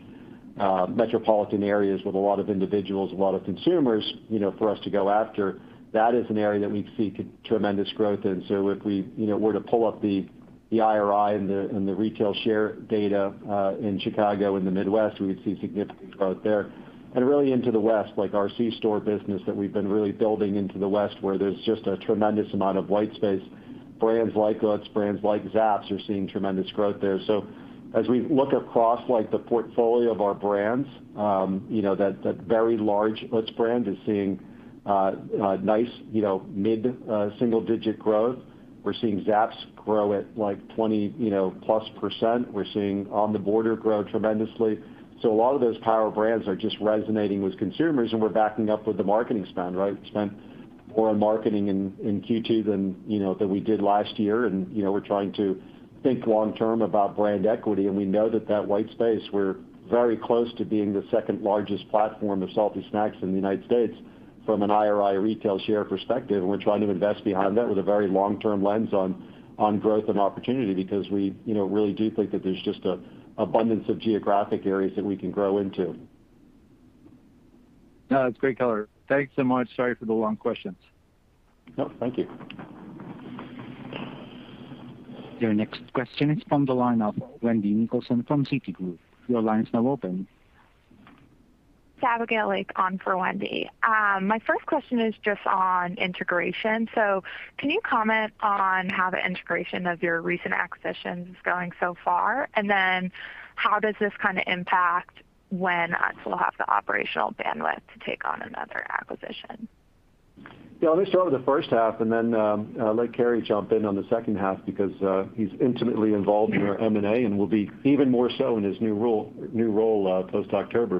metropolitan areas with a lot of individuals, a lot of consumers for us to go after. That is an area that we see tremendous growth in. If we were to pull up the IRI and the retail share data in Chicago and the Midwest, we would see significant growth there. Really into the West, like our C-store business that we've been really building into the West, where there's just a tremendous amount of white space. Brands like Utz, brands like Zapp's are seeing tremendous growth there. As we look across the portfolio of our brands, that very large Utz brand is seeing nice mid-single digit growth. We're seeing Zapp's grow at like 20%+. We're seeing On The Border grow tremendously. A lot of those Power Brands are just resonating with consumers, and we're backing up with the marketing spend, right? We spent more on marketing in Q2 than we did last year, and we're trying to think long term about brand equity, and we know that that white space, we're very close to being the second largest platform of salty snacks in the U.S. from an IRI retail share perspective. We're trying to invest behind that with a very long-term lens on growth and opportunity because we really do think that there's just an abundance of geographic areas that we can grow into. No, that's great color. Thanks so much. Sorry for the long questions. No, thank you. Your next question is from the line of Wendy Nicholson from Citigroup. Your line is now open. It's Abigail Lake on for Wendy. My first question is just on integration. Can you comment on how the integration of your recent acquisitions is going so far? How does this kind of impact when Utz will have the operational bandwidth to take on another acquisition? Let me start with the first half and then let Cary jump in on the second half because he's intimately involved in our M&A and will be even more so in his new role post-October.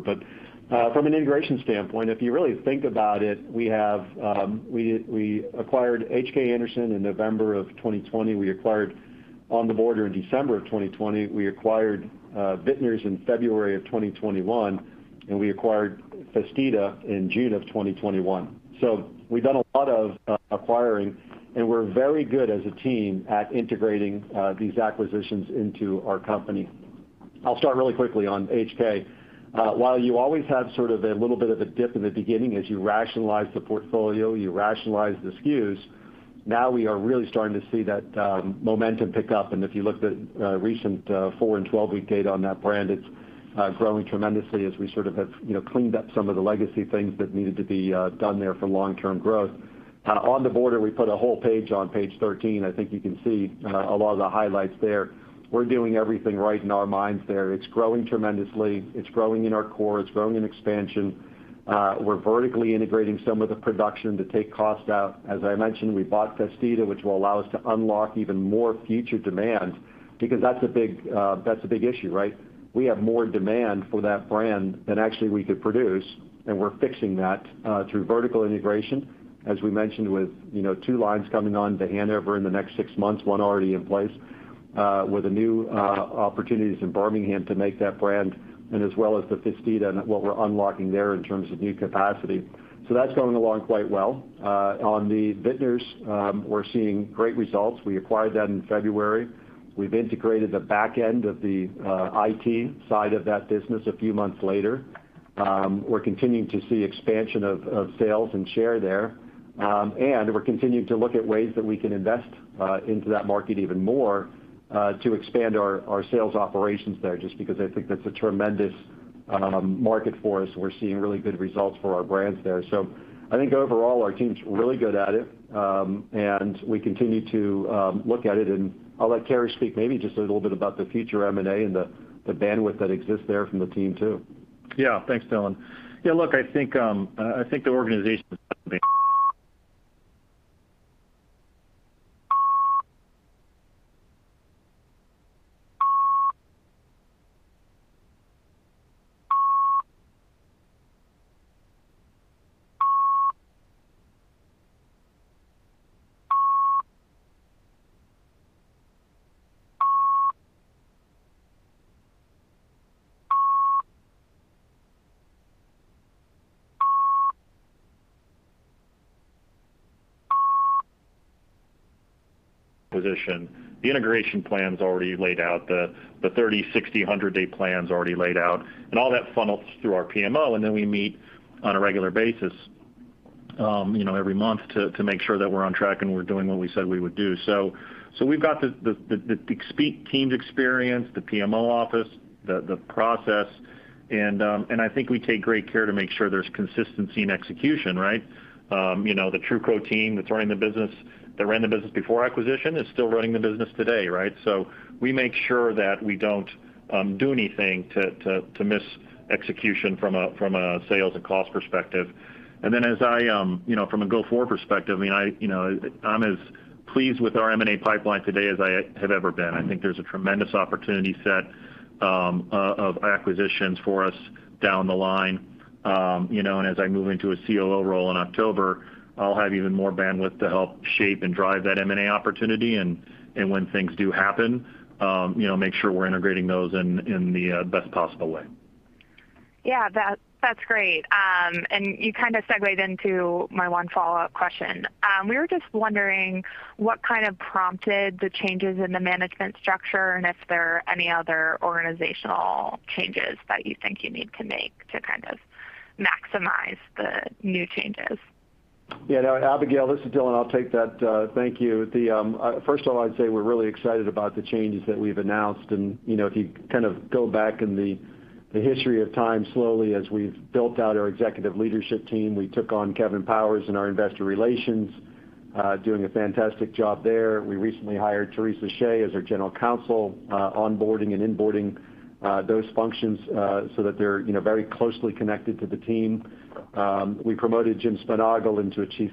From an integration standpoint, if you really think about it, we acquired H.K. Anderson in November 2020. We acquired On The Border in December 2020. We acquired Vitner's in February 2021, and we acquired Festida in June 2021. We've done a lot of acquiring, and we're very good as a team at integrating these acquisitions into our company. I'll start really quickly on H.K. While you always have sort of a little bit of a dip in the beginning as you rationalize the portfolio, you rationalize the SKUs, now we are really starting to see that momentum pick up. If you looked at recent four and 12-week data on that brand, it's growing tremendously as we sort of have cleaned up some of the legacy things that needed to be done there for long-term growth. On The Border, we put a whole page on page 13. I think you can see a lot of the highlights there. We're doing everything right in our minds there. It's growing tremendously. It's growing in our core. It's growing in expansion. We're vertically integrating some of the production to take cost out. As I mentioned, we bought Festida, which will allow us to unlock even more future demand because that's a big issue, right? We have more demand for that brand than actually we could produce. We're fixing that through vertical integration, as we mentioned, with two lines coming on to Hanover in the next six months, one already in place, with the new opportunities in Birmingham to make that brand as well as the Festida and what we're unlocking there in terms of new capacity. That's going along quite well. On the Vitner's, we're seeing great results. We acquired that in February. We've integrated the back end of the IT side of that business a few months later. We're continuing to see expansion of sales and share there. We're continuing to look at ways that we can invest into that market even more to expand our sales operations there, just because I think that's a tremendous market for us. We're seeing really good results for our brands there. I think overall, our team's really good at it, and we continue to look at it. I'll let Cary speak maybe just a little bit about the future M&A and the bandwidth that exists there from the team, too. Thanks, Dylan. Look, I think the organization position, the integration plan's already laid out, the 30, 60, 100-day plan's already laid out, and all that funnels through our PMO, and then we meet on a regular basis every month to make sure that we're on track and we're doing what we said we would do. We've got the speak teams experience, the PMO office, the process, and I think we take great care to make sure there's consistency in execution, right? The Truco team that's running the business, that ran the business before acquisition is still running the business today, right? We make sure that we don't do anything to miss execution from a sales and cost perspective. From a go-forward perspective, I'm as pleased with our M&A pipeline today as I have ever been. I think there's a tremendous opportunity set of acquisitions for us down the line. As I move into a COO role in October, I'll have even more bandwidth to help shape and drive that M&A opportunity and when things do happen, make sure we're integrating those in the best possible way. Yeah. That's great. You kind of segued into my one follow-up question. We were just wondering what kind of prompted the changes in the management structure and if there are any other organizational changes that you think you need to make to kind of maximize the new changes? Yeah. No, Abigail, this is Dylan. I'll take that. Thank you. First of all, I'd say we're really excited about the changes that we've announced. If you kind of go back in the history of time slowly as we've built out our executive leadership team, we took on Kevin Powers in our investor relations, doing a fantastic job there. We recently hired Theresa Shea as our general counsel, onboarding and inboarding those functions so that they're very closely connected to the team. We promoted Jim Sponaugle into a Chief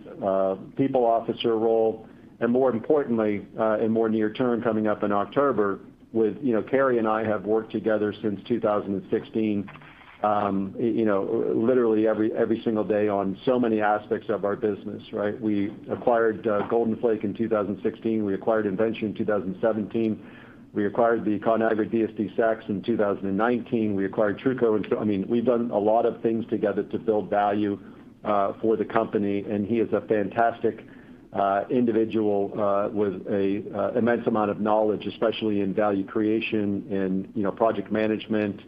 People Officer role. More importantly, more near-term coming up in October with Cary and I have worked together since 2016 literally every single day on so many aspects of our business, right? We acquired Golden Flake in 2016. We acquired Inventure in 2017. We acquired the Conagra DSD Snacks in 2019. We acquired Truco in. We've done a lot of things together to build value for the company, and he is a fantastic individual with a immense amount of knowledge, especially in value creation and project management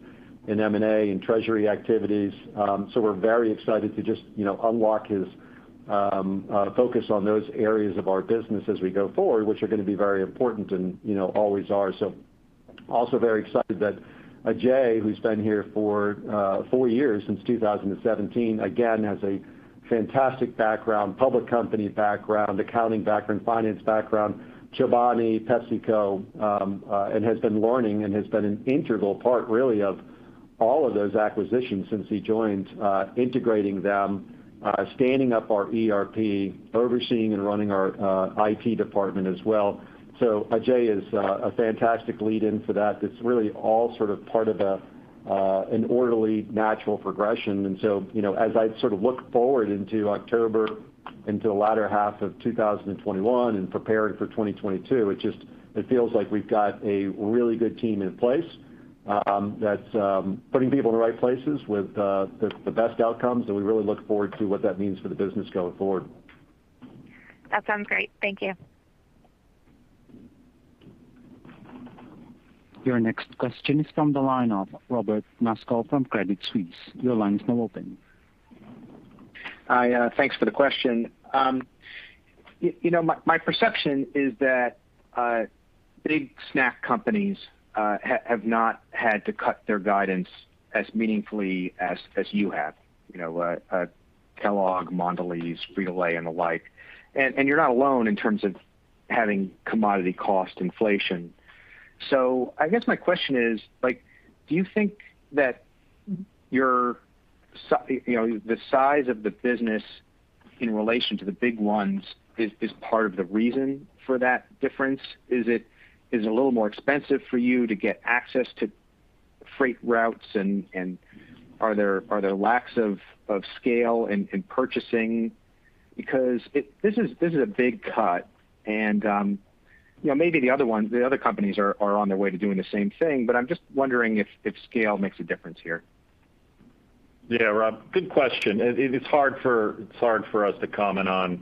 and M&A and treasury activities. We're very excited to just unlock his focus on those areas of our business as we go forward, which are going to be very important and always are. Also very excited that Ajay, who's been here for four years, since 2017, again, has a fantastic background, public company background, accounting background, finance background, Chobani, PepsiCo, and has been learning and has been an integral part really of all of those acquisitions since he joined, integrating them, standing up our ERP, overseeing and running our IT department as well. Ajay is a fantastic lead in for that. It's really all sort of part of an orderly, natural progression. As I sort of look forward into October, into the latter half of 2021 and preparing for 2022, it feels like we've got a really good team in place that's putting people in the right places with the best outcomes. We really look forward to what that means for the business going forward. That sounds great. Thank you. Your next question is from the line of Robert Moskow from Credit Suisse. Your line is now open. Hi, thanks for the question. My perception is that big snack companies have not had to cut their guidance as meaningfully as you have. Kellogg, Mondelēz, Frito-Lay, and the like. You're not alone in terms of having commodity cost inflation. I guess my question is, do you think that the size of the business in relation to the big ones is part of the reason for that difference? Is it a little more expensive for you to get access to freight routes, and are there lacks of scale in purchasing? This is a big cut, and maybe the other companies are on their way to doing the same thing, but I'm just wondering if scale makes a difference here. Yeah, Rob, good question. It's hard for us to comment on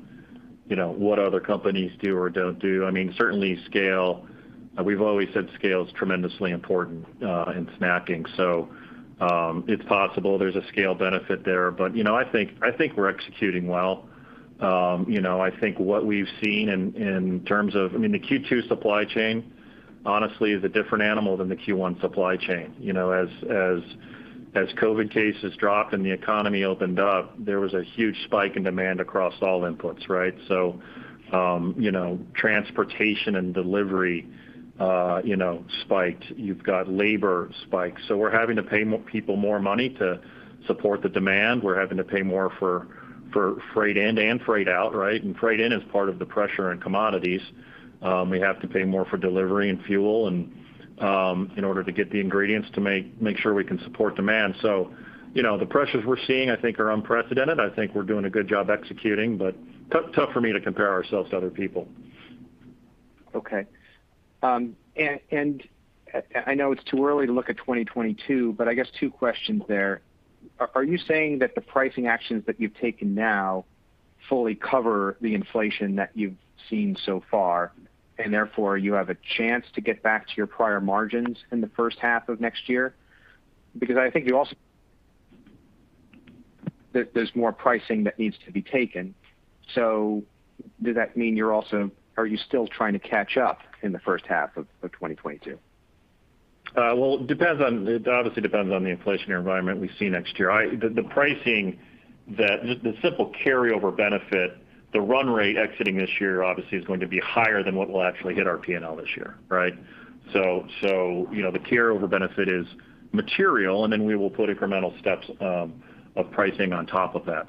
what other companies do or don't do. Certainly scale, we've always said scale is tremendously important in snacking. It's possible there's a scale benefit there. I think we're executing well. I think what we've seen, the Q2 supply chain, honestly, is a different animal than the Q1 supply chain. As COVID-19 cases dropped and the economy opened up, there was a huge spike in demand across all inputs, right? Transportation and delivery spiked. You've got labor spikes. We're having to pay people more money to support the demand. We're having to pay more for freight in and freight out, right? Freight in is part of the pressure in commodities. We have to pay more for delivery and fuel in order to get the ingredients to make sure we can support demand. The pressures we're seeing, I think, are unprecedented. I think we're doing a good job executing. Tough for me to compare ourselves to other people. Okay. I know it's too early to look at 2022, I guess two questions there. Are you saying that the pricing actions that you've taken now fully cover the inflation that you've seen so far, and therefore you have a chance to get back to your prior margins in the first half of next year? I think there's more pricing that needs to be taken. Does that mean you're still trying to catch up in the first half of 2022? It obviously depends on the inflationary environment we see next year. The pricing, the simple carryover benefit, the run rate exiting this year obviously is going to be higher than what will actually hit our P&L this year, right? The carryover benefit is material, and then we will put incremental steps of pricing on top of that.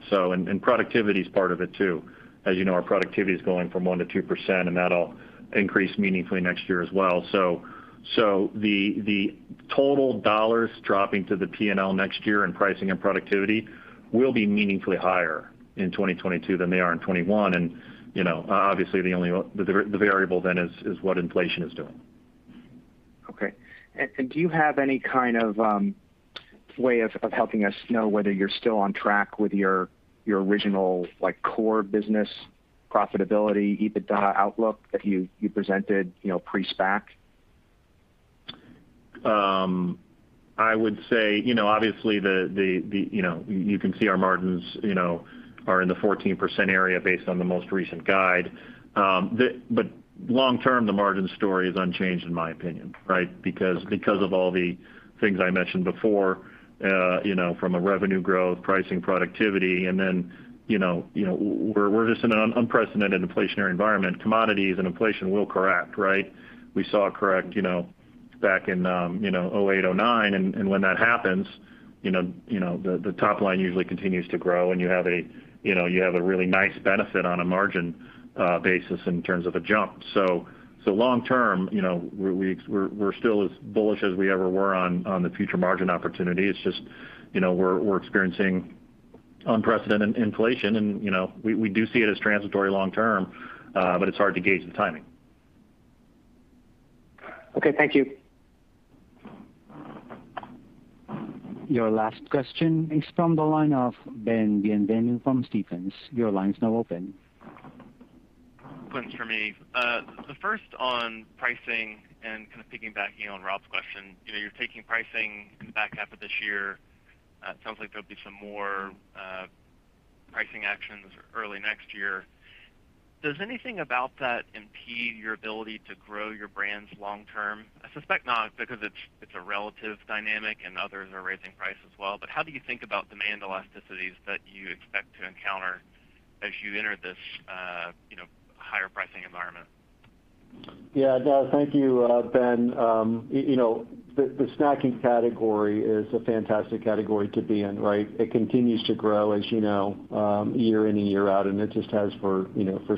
Productivity is part of it, too. As you know, our productivity is going from 1%-2%, and that'll increase meaningfully next year as well. The total dollars dropping to the P&L next year in pricing and productivity will be meaningfully higher in 2022 than they are in 2021. Obviously, the only variable then is what inflation is doing. Okay. Do you have any kind of way of helping us know whether you're still on track with your original core business profitability, EBITDA outlook that you presented pre-SPAC? I would say, obviously you can see our margins are in the 14% area based on the most recent guide. Long term, the margin story is unchanged, in my opinion. Because of all the things I mentioned before, from a revenue growth, pricing, productivity, we're just in an unprecedented inflationary environment. Commodities and inflation will correct, right? We saw it correct back in 2008, 2009, and when that happens, the top line usually continues to grow, and you have a really nice benefit on a margin basis in terms of a jump. Long term, we're still as bullish as we ever were on the future margin opportunity. It's just we're experiencing unprecedented inflation, and we do see it as transitory long term, but it's hard to gauge the timing. Okay, thank you. Your last question is from the line of Ben Bienvenu from Stephens. Your line is now open. Two questions from me. The first on pricing and kind of piggybacking on Rob's question. You're taking pricing in the back half of this year. It sounds like there'll be some more pricing actions early next year. Does anything about that impede your ability to grow your brands long term? I suspect not, because it's a relative dynamic and others are raising price as well. How do you think about demand elasticities that you expect to encounter as you enter this higher pricing environment? Yeah, thank you, Ben. The snacking category is a fantastic category to be in, right? It continues to grow, you know, year in and year out, it just has for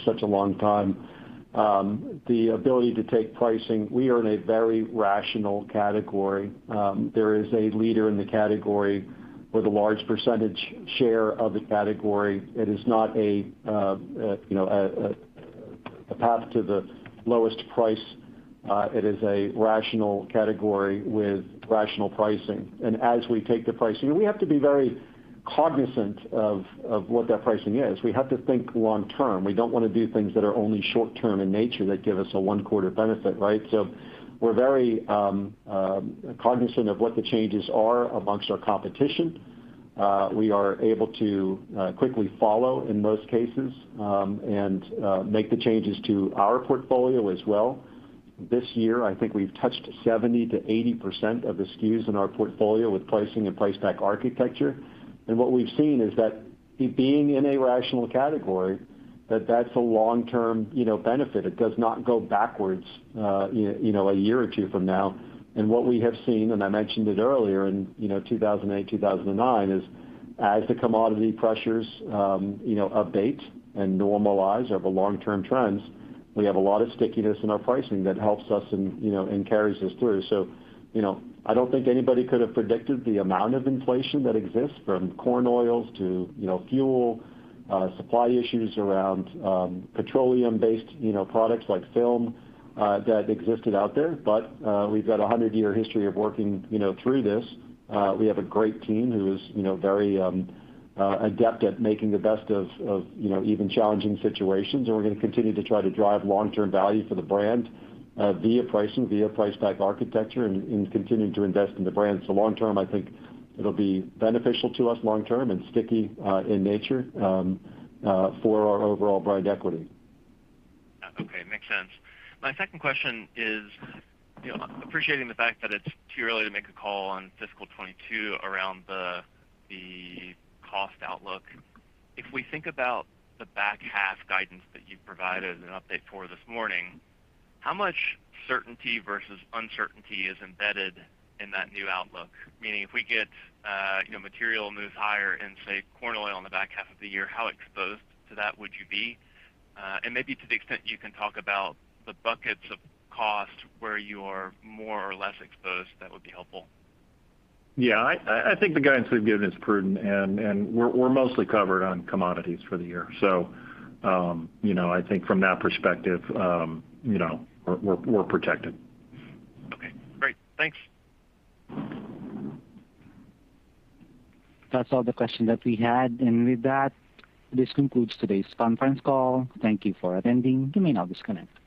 such a long time. The ability to take pricing, we are in a very rational category. There is a leader in the category with a large percentage share of the category. It is not a path to the lowest price. It is a rational category with rational pricing. As we take the pricing, we have to be very cognizant of what that pricing is. We have to think long term. We don't want to do things that are only short term in nature that give us a one-quarter benefit, right? We're very cognizant of what the changes are amongst our competition. We are able to quickly follow in most cases, and make the changes to our portfolio as well. This year, I think we've touched 70%-80% of the SKUs in our portfolio with pricing and price pack architecture. What we've seen is that being in a rational category, that that's a long-term benefit. It does not go backwards a year or two from now. What we have seen, and I mentioned it earlier, in 2008, 2009, is as the commodity pressures abate and normalize over long-term trends, we have a lot of stickiness in our pricing that helps us and carries us through. I don't think anybody could have predicted the amount of inflation that exists from corn oils to fuel, supply issues around petroleum-based products like film that existed out there. We've got a 100-year history of working through this. We have a great team who is very adept at making the best of even challenging situations, and we're going to continue to try to drive long-term value for the brand via pricing, via price pack architecture, and continuing to invest in the brand. Long term, I think it'll be beneficial to us long term and sticky in nature for our overall brand equity. Okay. Makes sense. My second question is appreciating the fact that it's too early to make a call on fiscal 2022 around the cost outlook. If we think about the back half guidance that you've provided an update for this morning, how much certainty versus uncertainty is embedded in that new outlook? Meaning, if we get material moves higher in, say, corn oil in the back half of the year, how exposed to that would you be? Maybe to the extent you can talk about the buckets of cost where you are more or less exposed, that would be helpful. Yeah, I think the guidance we've given is prudent, and we're mostly covered on commodities for the year. I think from that perspective, we're protected. Okay, great. Thanks. That's all the questions that we had, and with that, this concludes today's conference call. Thank you for attending. You may now disconnect.